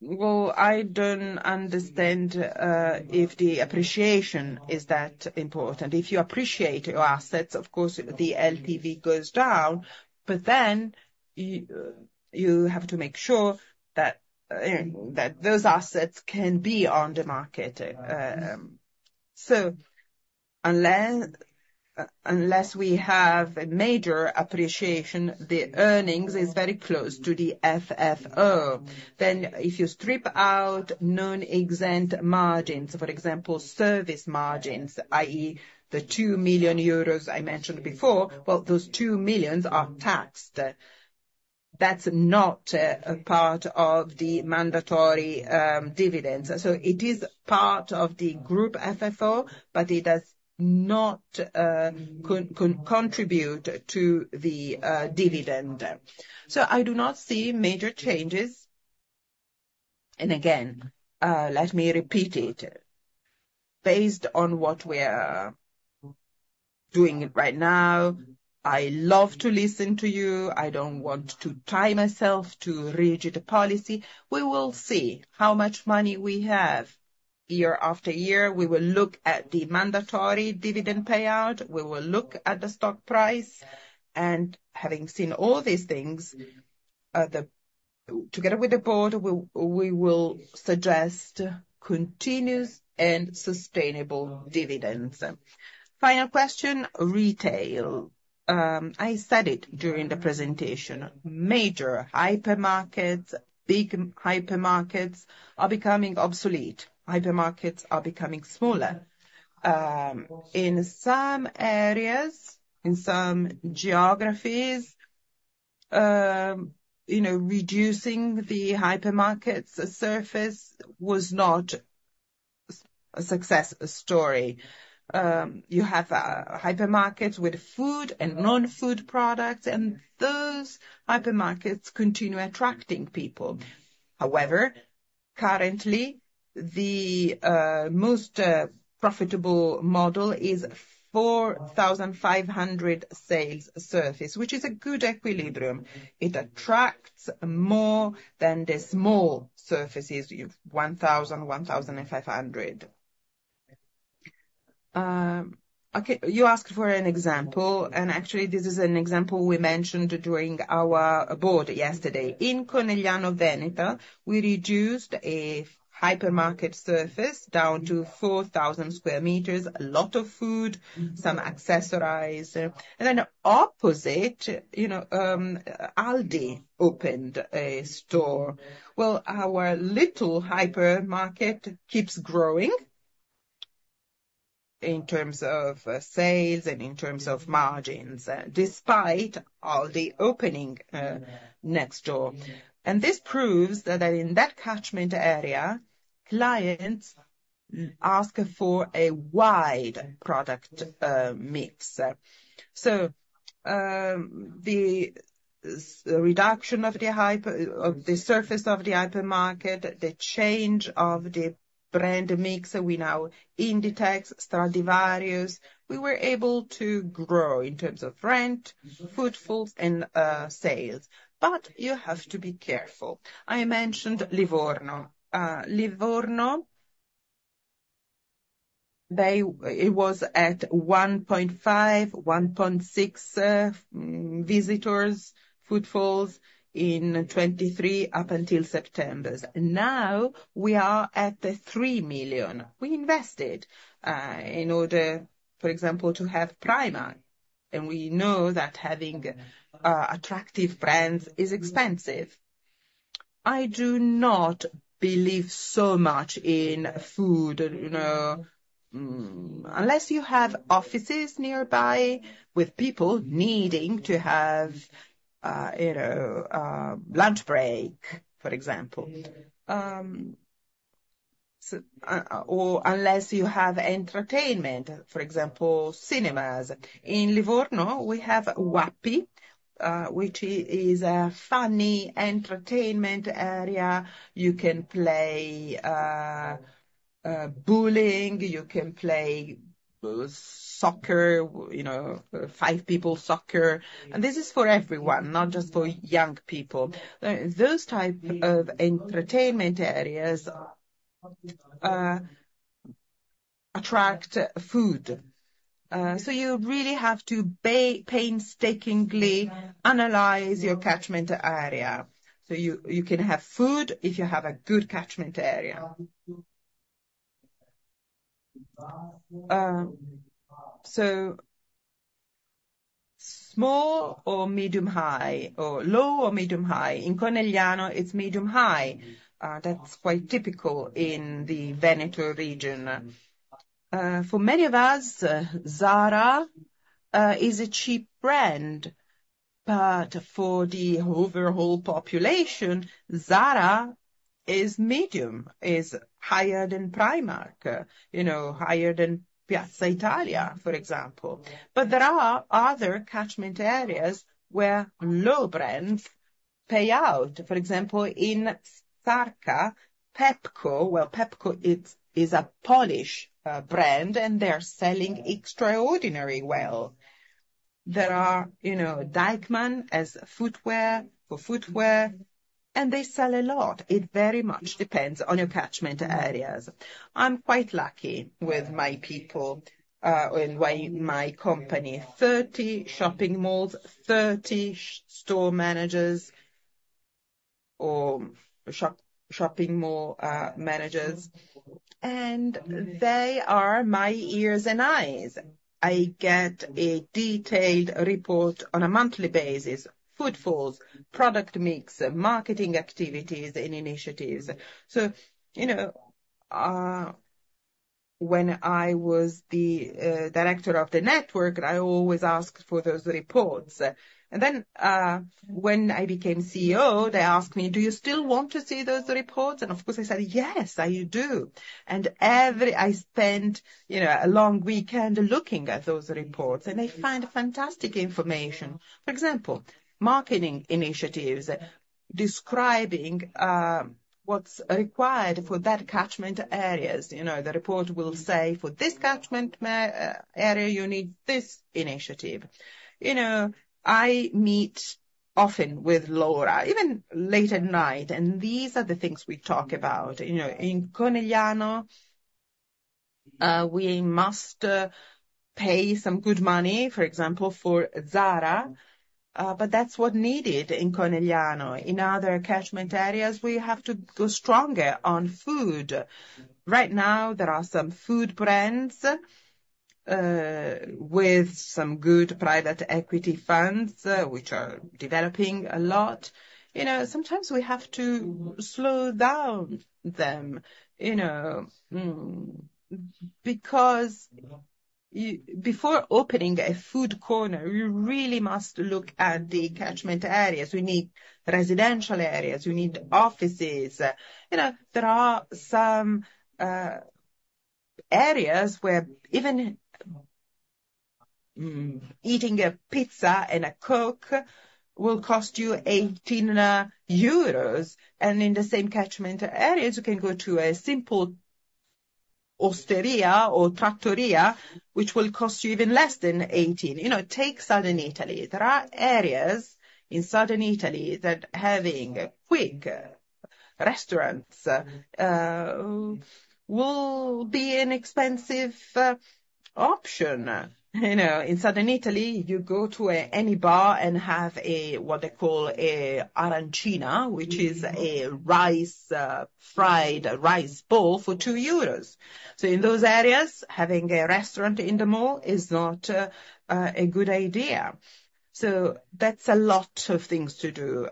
well, I don't understand if the appreciation is that important. If you appreciate your assets, of course, the LTV goes down, but then you have to make sure that those assets can be on the market. So unless we have a major appreciation, the earnings is very close to the FFO. Then if you strip out non-exempt margins, for example, service margins, i.e., the 2 million euros I mentioned before, well, those 2 million are taxed. That's not a part of the mandatory dividends. So it is part of the group FFO, but it does not contribute to the dividend. So I do not see major changes. And again, let me repeat it. Based on what we're doing right now, I love to listen to you. I don't want to tie myself to rigid policy. We will see how much money we have year after year. We will look at the mandatory dividend payout. We will look at the stock price, and having seen all these things, together with the board, we will suggest continuous and sustainable dividends. Final question, retail. I said it during the presentation. Major hypermarkets, big hypermarkets are becoming obsolete. Hypermarkets are becoming smaller. In some areas, in some geographies, reducing the hypermarket's surface was not a success story. You have hypermarkets with food and non-food products, and those hypermarkets continue attracting people. However, currently, the most profitable model is 4,500 sales surface, which is a good equilibrium. It attracts more than the small surfaces, 1,000, 1,500. You asked for an example, and actually, this is an example we mentioned during our board yesterday. In Conegliano Veneto, we reduced a hypermarket surface down to 4,000 square meters, a lot of food, some accessories, and then opposite, Aldi opened a store. Well, our little hypermarket keeps growing in terms of sales and in terms of margins, despite Aldi opening next door, and this proves that in that catchment area, clients ask for a wide product mix, so the reduction of the surface of the hypermarket, the change of the brand mix, we now have Inditex, Stradivarius, we were able to grow in terms of rent, food, footfalls, and sales, but you have to be careful. I mentioned Livorno. Livorno, it was at 1.5-1.6 million footfalls in 2023 up until September. Now we are at the 3 million. We invested in order, for example, to have Primark. We know that having attractive brands is expensive. I do not believe so much in food. Unless you have offices nearby with people needing to have lunch break, for example, or unless you have entertainment, for example, cinemas. In Livorno, we have Wappy, which is a funny entertainment area. You can play bowling. You can play soccer, five-people soccer. This is for everyone, not just for young people. Those types of entertainment areas attract food. You really have to painstakingly analyze your catchment area. You can have food if you have a good catchment area. Small or medium-high, or low or medium-high. In Conegliano, it's medium-high. That's quite typical in the Veneto region. For many of us, Zara is a cheap brand. But for the overall population, Zara is medium, is higher than Primark, higher than Piazza Italia, for example. But there are other catchment areas where low brands play out. For example, in Sarca, Pepco, well, Pepco is a Polish brand, and they're selling extraordinarily well. There are Deichmann as footwear for footwear, and they sell a lot. It very much depends on your catchment areas. I'm quite lucky with my people and my company. 30 shopping malls, 30 store managers, or shopping mall managers. And they are my ears and eyes. I get a detailed report on a monthly basis, footfalls, product mix, marketing activities, and initiatives. So when I was the director of the network, I always asked for those reports. And then when I became CEO, they asked me, "Do you still want to see those reports?" And of course, I said, "Yes, I do." And I spent a long weekend looking at those reports. And they find fantastic information. For example, marketing initiatives describing what's required for that catchment areas. The report will say, "For this catchment area, you need this initiative." I meet often with Laura, even late at night. These are the things we talk about. In Conegliano, we must pay some good money, for example, for Zara. That's what's needed in Conegliano. In other catchment areas, we have to go stronger on food. Right now, there are some food brands with some good private equity funds, which are developing a lot. Sometimes we have to slow down them because before opening a food corner, we really must look at the catchment areas. We need residential areas. We need offices. There are some areas where even eating a pizza and a Coke will cost you 18 euros. And in the same catchment areas, you can go to a simple osteria or trattoria, which will cost you even less than 18. Take Southern Italy. There are areas in Southern Italy that having quick restaurants will be an expensive option. In Southern Italy, you go to any bar and have what they call an arancina, which is a fried rice bowl for 2 euros. So in those areas, having a restaurant in the mall is not a good idea. So that's a lot of things to do.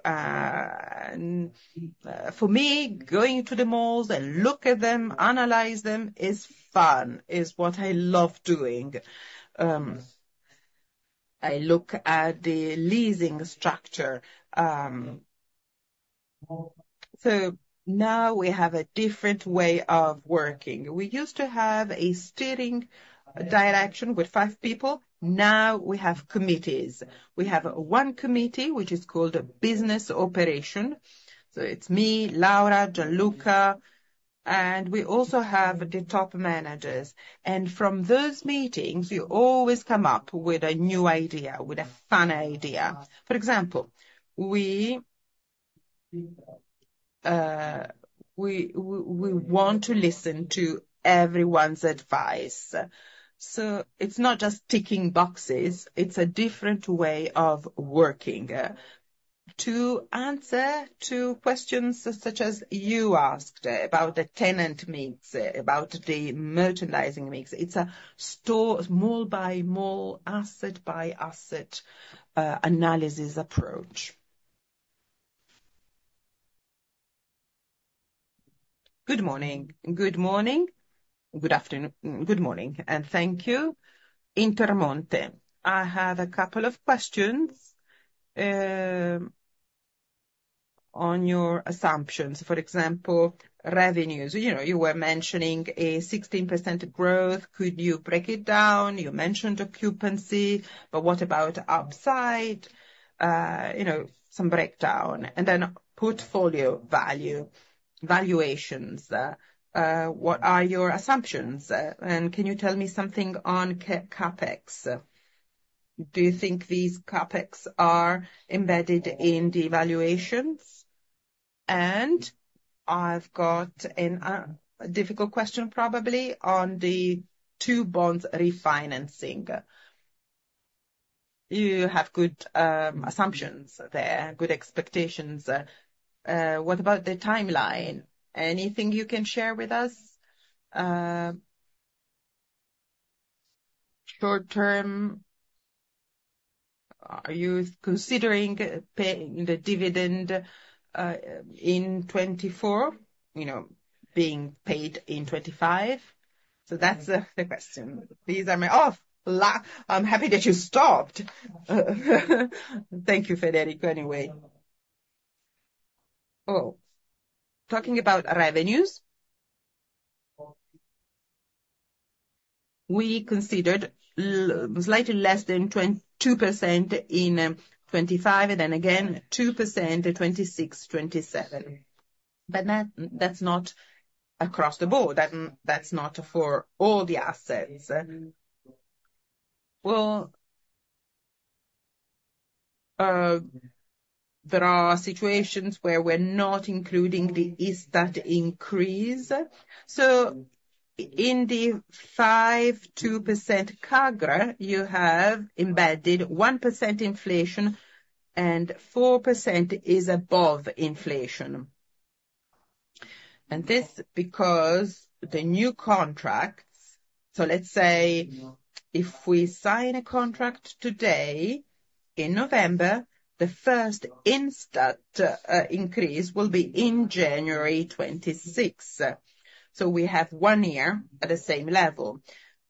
For me, going to the malls and looking at them, analyzing them is fun, is what I love doing. I look at the leasing structure. So now we have a different way of working. We used to have a steering direction with five people. Now we have committees. We have one committee, which is called Business Operation. So it's me, Laura, Gianluca. We also have the top managers. From those meetings, you always come up with a new idea, with a fun idea. For example, we want to listen to everyone's advice. It's not just ticking boxes. It's a different way of working to answer questions such as you asked about the tenant mix, about the merchandising mix. It's a mall-by-mall, asset-by-asset analysis approach. Good morning. Good morning. Good afternoon. Good morning. Thank you. Intermonte. I have a couple of questions on your assumptions. For example, revenues. You were mentioning a 16% growth. Could you break it down? You mentioned occupancy. But what about upside? Some breakdown. Then portfolio valuations. What are your assumptions? Can you tell me something on CapEx? Do you think these CapEx are embedded in the valuations? I've got a difficult question, probably, on the two bonds refinancing. You have good assumptions there, good expectations. What about the timeline? Anything you can share with us? Short-term, are you considering paying the dividend in 2024, being paid in 2025? So that's the question. These are my. Oh, I'm happy that you stopped. Thank you, Federico, anyway. Oh, talking about revenues, we considered slightly less than 2% in 2025, and then again, 2% in 2026, 2027. But that's not across the board. That's not for all the assets. Well, there are situations where we're not including the ISTAT increase. So in the 5-2% CAGR, you have embedded 1% inflation, and 4% is above inflation. And this is because the new contracts. So let's say if we sign a contract today in November, the first ISTAT increase will be in January 2026. So we have one year at the same level.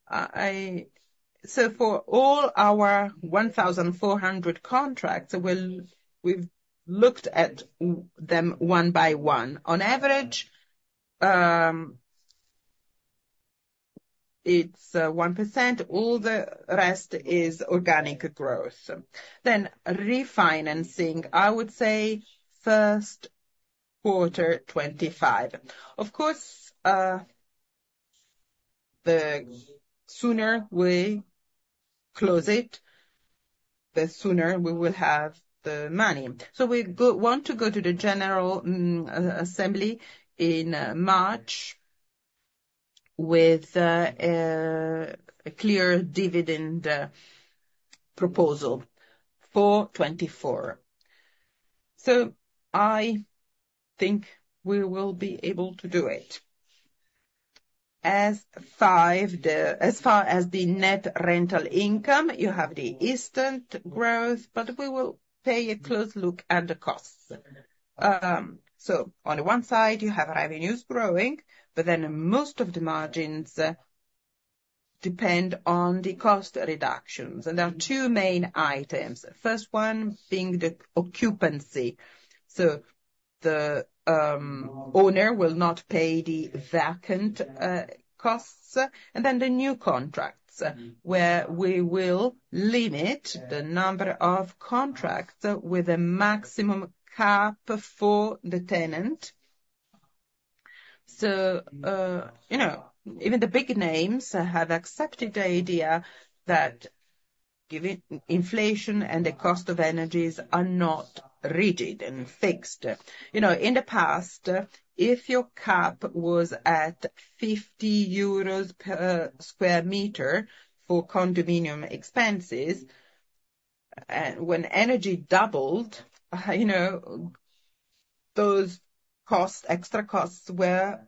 For all our 1,400 contracts, we've looked at them one by one. On average, it's 1%. All the rest is organic growth. Then refinancing, I would say first quarter, 2025. Of course, the sooner we close it, the sooner we will have the money. We want to go to the General Assembly in March with a clear dividend proposal for 2024. I think we will be able to do it. As far as the net rental income, you have the ISTAT growth, but we will pay a close look at the costs. On the one side, you have revenues growing, but then most of the margins depend on the cost reductions. There are two main items. The first one being the occupancy. The owner will not pay the vacant costs. The new contracts where we will limit the number of contracts with a maximum cap for the tenant. So even the big names have accepted the idea that inflation and the cost of energies are not rigid and fixed. In the past, if your cap was at 50 euros per sq m for condominium expenses, when energy doubled, those extra costs were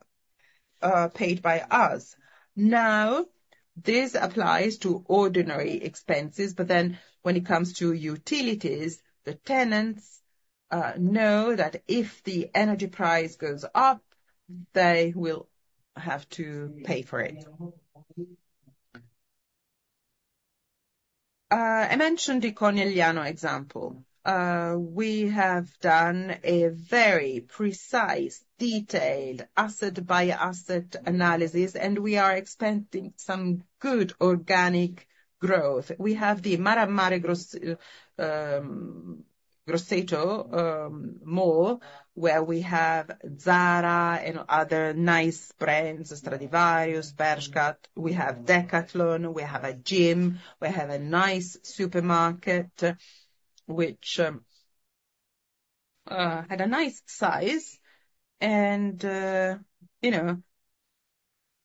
paid by us. Now, this applies to ordinary expenses. But then when it comes to utilities, the tenants know that if the energy price goes up, they will have to pay for it. I mentioned the Conegliano example. We have done a very precise, detailed asset-by-asset analysis, and we are expecting some good organic growth. We have the Maremà Grosseto mall where we have Zara and other nice brands, Stradivarius, Bershka. We have Decathlon. We have a gym. We have a nice supermarket which had a nice size, and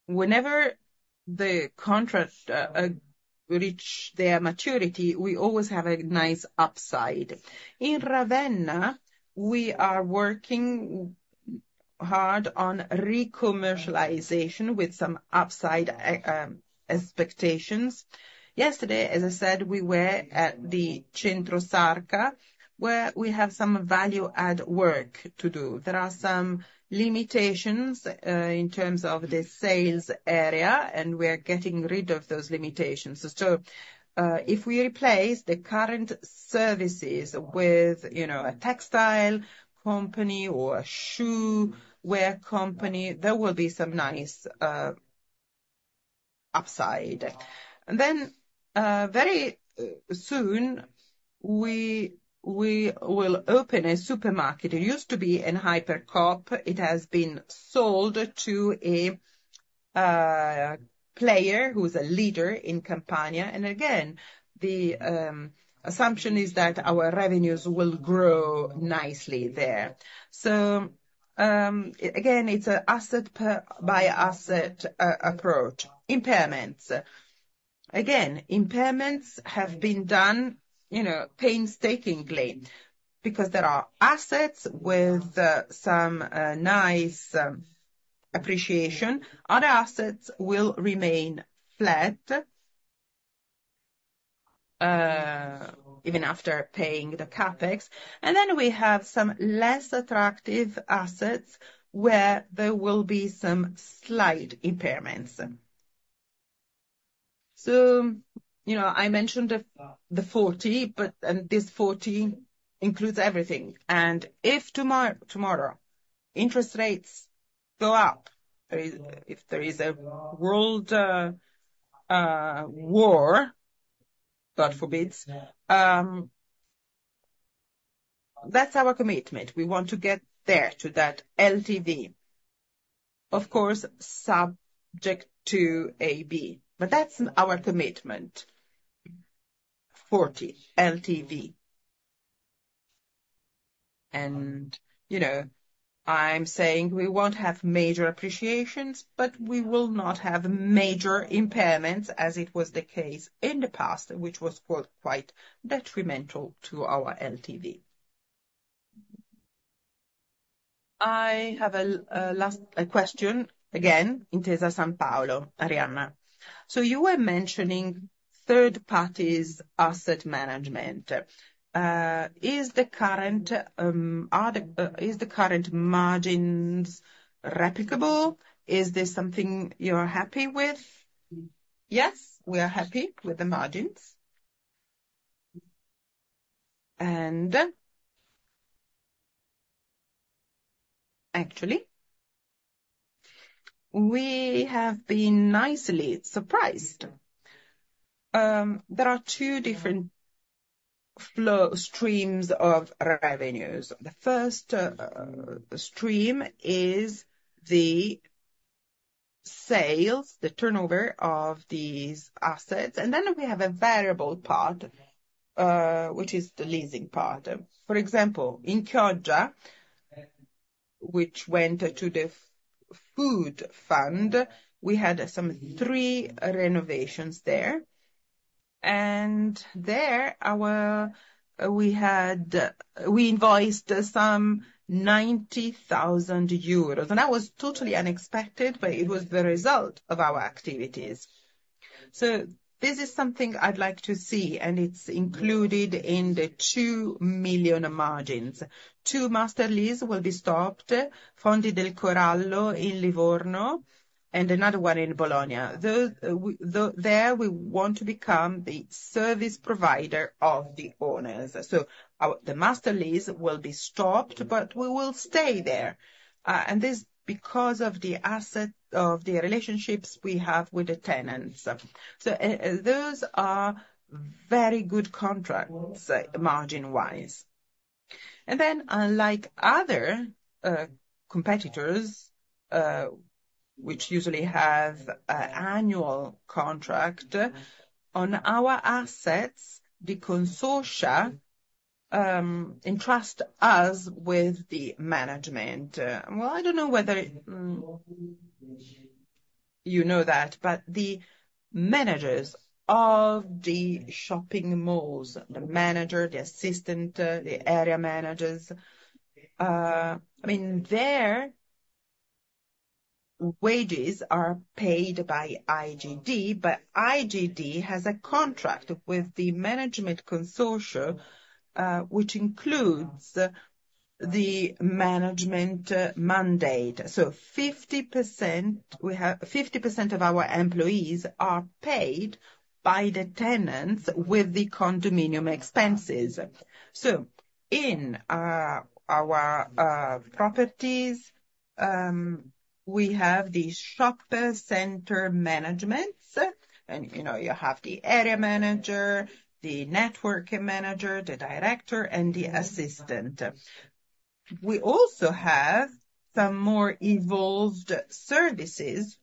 whenever the contracts reach their maturity, we always have a nice upside. In Ravenna, we are working hard on re-commercialization with some upside expectations. Yesterday, as I said, we were at the Centro Sarca where we have some value-add work to do. There are some limitations in terms of the sales area, and we are getting rid of those limitations, so if we replace the current services with a textile company or a footwear company, there will be some nice upside, and then very soon, we will open a supermarket. It used to be in Ipercoop. It has been sold to a player who is a leader in Campania, and again, the assumption is that our revenues will grow nicely there, so again, it's an asset-by-asset approach. Impairments. Again, impairments have been done painstakingly because there are assets with some nice appreciation. Other assets will remain flat even after paying the CapEx. And then we have some less attractive assets where there will be some slight impairments. So I mentioned the 40, and this 40 includes everything. And if tomorrow interest rates go up, if there is a world war, God forbid, that's our commitment. We want to get there to that LTV, of course, subject to AB. But that's our commitment, 40 LTV. And I'm saying we won't have major appreciations, but we will not have major impairments as it was the case in the past, which was quite detrimental to our LTV. I have a question again from Intesa Sanpaolo, Arianna. So you were mentioning third-party asset management. Is the current margins replicable? Is this something you're happy with? Yes, we are happy with the margins. And actually, we have been nicely surprised. There are two different streams of revenues. The first stream is the sales, the turnover of these assets. And then we have a variable part, which is the leasing part. For example, in Chioggia, which went to the Food Fund, we had some three renovations there. And there, we invoiced some 90,000 euros. And that was totally unexpected, but it was the result of our activities. So this is something I'd like to see, and it's included in the two million margins. Two master leases will be stopped, Fondi del Corallo in Livorno, and another one in Bologna. There, we want to become the service provider of the owners. So the master lease will be stopped, but we will stay there. And this is because of the relationships we have with the tenants. Those are very good contracts margin-wise. And then, unlike other competitors, which usually have an annual contract, on our assets, the consortia entrust us with the management. Well, I don't know whether you know that, but the managers of the shopping malls, the manager, the assistant, the area managers, I mean, their wages are paid by IGD, but IGD has a contract with the management consortia, which includes the management mandate. So 50% of our employees are paid by the tenants with the condominium expenses. So in our properties, we have the shopping center management. And you have the area manager, the network manager, the director, and the assistant. We also have some more evolved services.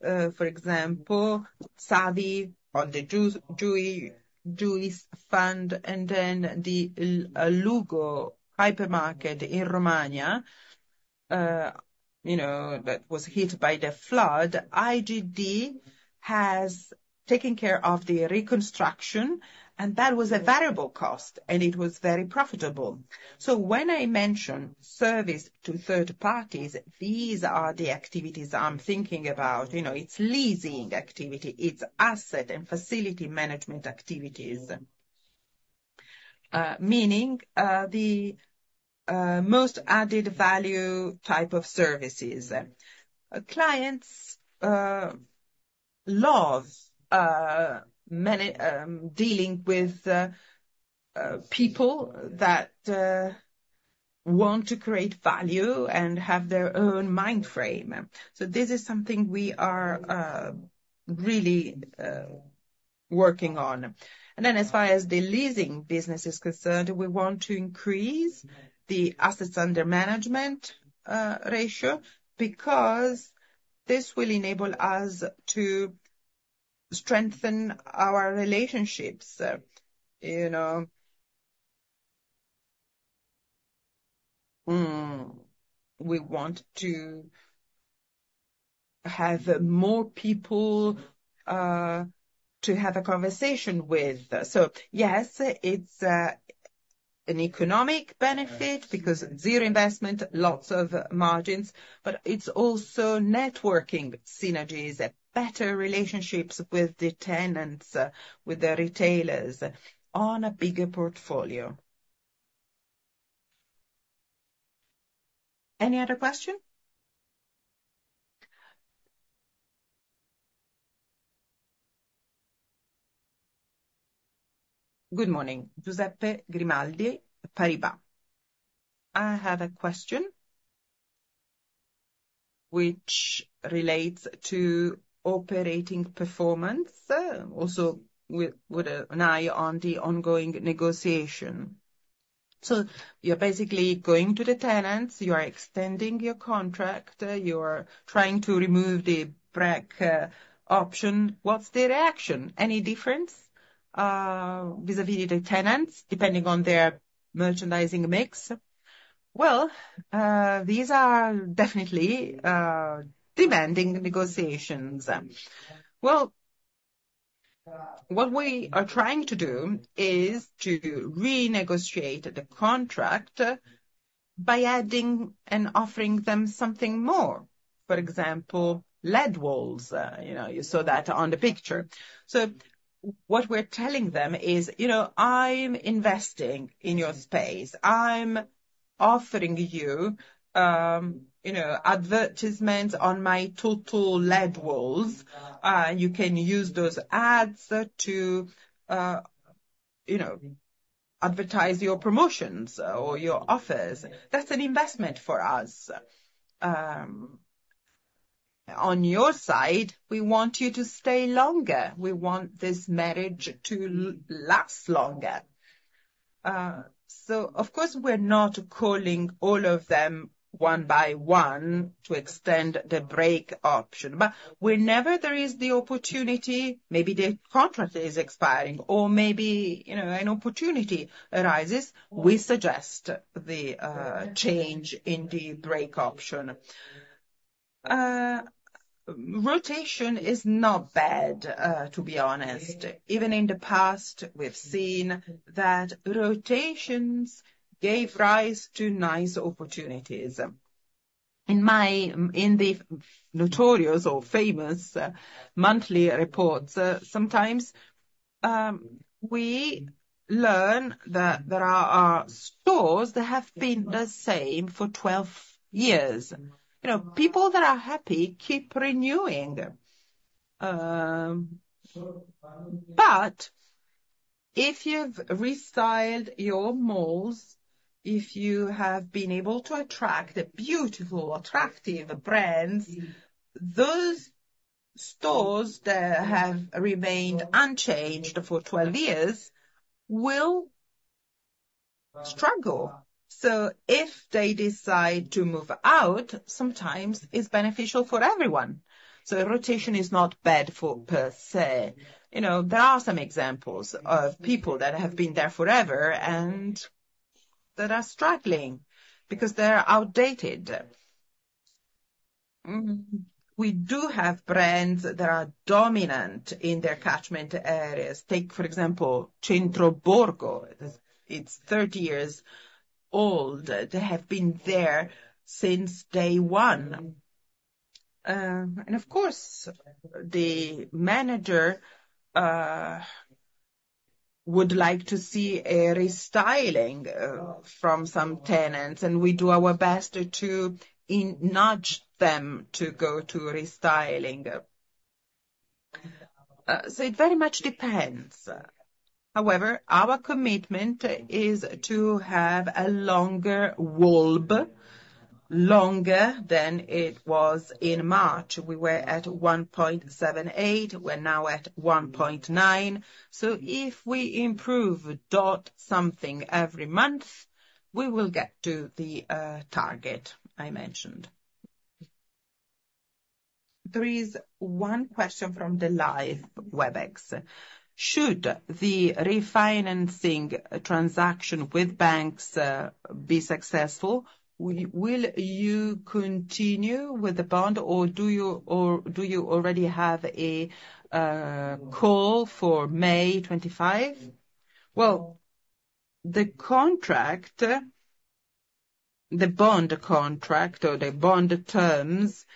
For example, Savills on the Juice Fund, and then the Lugo Hypermarket in Romagna that was hit by the flood. IGD has taken care of the reconstruction, and that was a variable cost, and it was very profitable. So when I mention service to third parties, these are the activities I'm thinking about. It's leasing activity. It's asset and facility management activities, meaning the most added value type of services. Clients love dealing with people that want to create value and have their own mind frame. So this is something we are really working on. And then as far as the leasing business is concerned, we want to increase the assets under management ratio because this will enable us to strengthen our relationships. We want to have more people to have a conversation with. So yes, it's an economic benefit because zero investment, lots of margins, but it's also networking synergies, better relationships with the tenants, with the retailers on a bigger portfolio. Any other question? Good morning. Giuseppe Grimaldi, BNP Paribas. I have a question which relates to operating performance, also with an eye on the ongoing negotiation. So you're basically going to the tenants. You are extending your contract. You are trying to remove the break option. What's the reaction? Any difference vis-à-vis the tenants depending on their merchandising mix? These are definitely demanding negotiations. What we are trying to do is to renegotiate the contract by adding and offering them something more. For example, LED walls. You saw that on the picture. So what we're telling them is, "I'm investing in your space. I'm offering you advertisements on my total LED walls. You can use those ads to advertise your promotions or your offers. That's an investment for us. On your side, we want you to stay longer. We want this marriage to last longer." So of course, we're not calling all of them one by one to extend the break option. But whenever there is the opportunity, maybe the contract is expiring, or maybe an opportunity arises, we suggest the change in the break option. Rotation is not bad, to be honest. Even in the past, we've seen that rotations gave rise to nice opportunities. In the notorious or famous monthly reports, sometimes we learn that there are stores that have been the same for 12 years. People that are happy keep renewing. But if you've restyled your malls, if you have been able to attract beautiful, attractive brands, those stores that have remained unchanged for 12 years will struggle. So if they decide to move out, sometimes it's beneficial for everyone. So rotation is not bad per se. There are some examples of people that have been there forever and that are struggling because they're outdated. We do have brands that are dominant in their catchment areas. Take, for example, Centro Borgo. It's 30 years old. They have been there since day one. And of course, the manager would like to see a restyling from some tenants, and we do our best to nudge them to go to restyling. So it very much depends. However, our commitment is to have a longer WALB, longer than it was in March. We were at 1.78. We're now at 1.9. So if we improve something every month, we will get to the target I mentioned. There is one question from the live WebEx. Should the refinancing transaction with banks be successful? Will you continue with the bond, or do you already have a call for May 25? The bond contract or the bond terms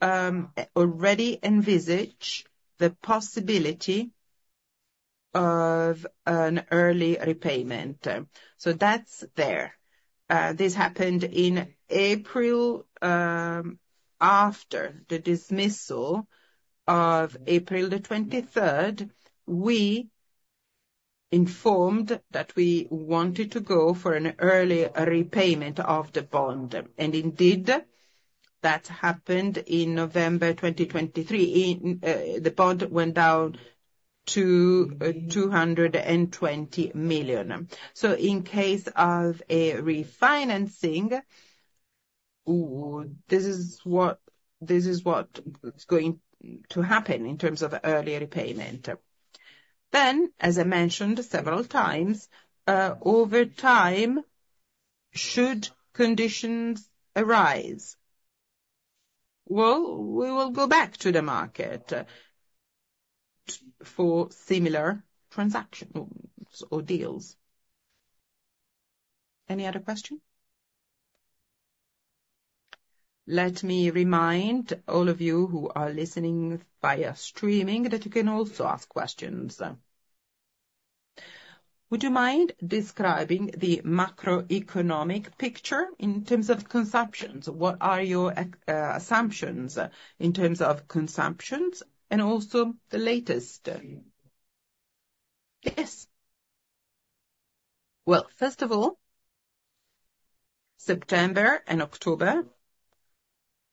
already envisage the possibility of an early repayment. That's there. This happened in April after the dismissal of April the 23rd. We informed that we wanted to go for an early repayment of the bond. Indeed, that happened in November 2023. The bond went down to 220 million. In case of a refinancing, this is what's going to happen in terms of early repayment. As I mentioned several times, over time, should conditions arise, well, we will go back to the market for similar transactions or deals. Any other question? Let me remind all of you who are listening via streaming that you can also ask questions. Would you mind describing the macroeconomic picture in terms of consumptions? What are your assumptions in terms of consumptions and also the latest? Yes. First of all, September and October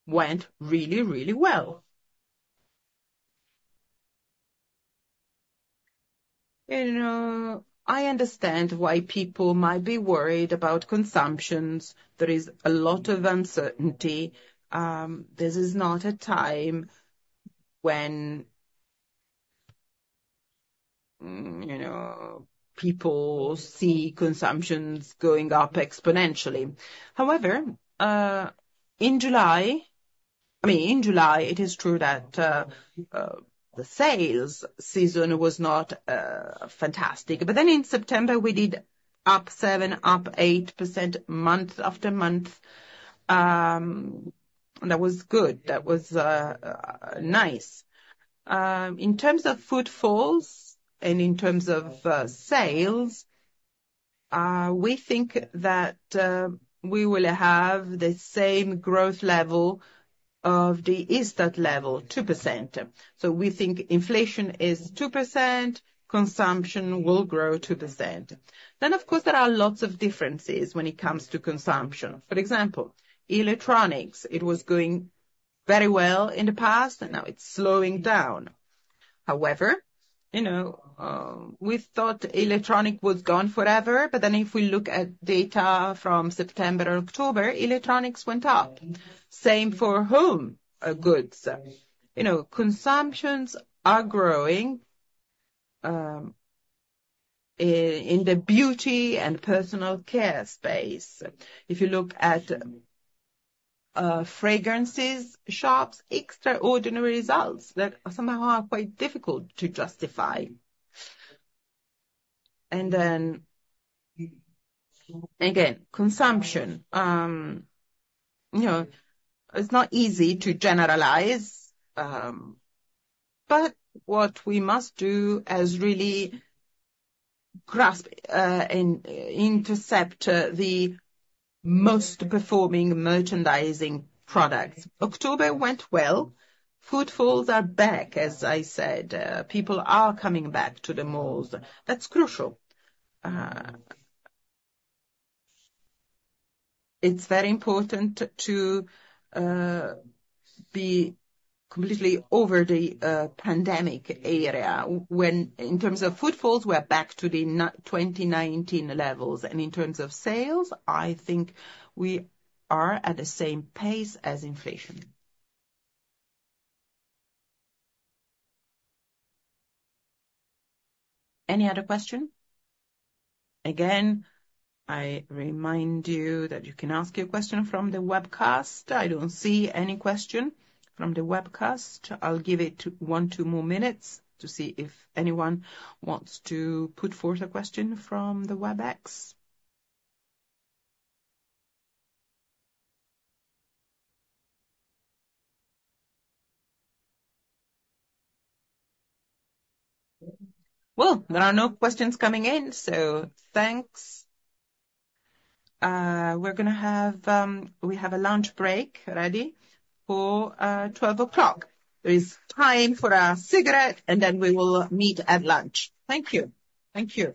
went really, really well. I understand why people might be worried about consumptions. There is a lot of uncertainty. This is not a time when people see consumptions going up exponentially. However, in July I mean, in July, it is true that the sales season was not fantastic. But then in September, we did up 7%-8% month after month. That was good. That was nice. In terms of footfalls and in terms of sales, we think that we will have the same growth level of the Eurostat level, 2%. So we think inflation is 2%. Consumption will grow 2%. Then, of course, there are lots of differences when it comes to consumption. For example, electronics, it was going very well in the past, and now it's slowing down. However, we thought electronics was gone forever. But then if we look at data from September and October, electronics went up. Same for home goods. Consumptions are growing in the beauty and personal care space. If you look at fragrances shops, extraordinary results that somehow are quite difficult to justify. And then, again, consumption. It's not easy to generalize, but what we must do is really grasp and intercept the most performing merchandising products. October went well. Footfalls are back, as I said. People are coming back to the malls. That's crucial. It's very important to be completely over the pandemic area when, in terms of footfalls, we're back to the 2019 levels. And in terms of sales, I think we are at the same pace as inflation. Any other question? Again, I remind you that you can ask your question from the webcast. I don't see any question from the webcast. I'll give it one, two more minutes to see if anyone wants to put forth a question from the WebEx. There are no questions coming in, so thanks. We have a lunch break ready for 12 o'clock. There is time for a cigarette, and then we will meet at lunch. Thank you. Thank you.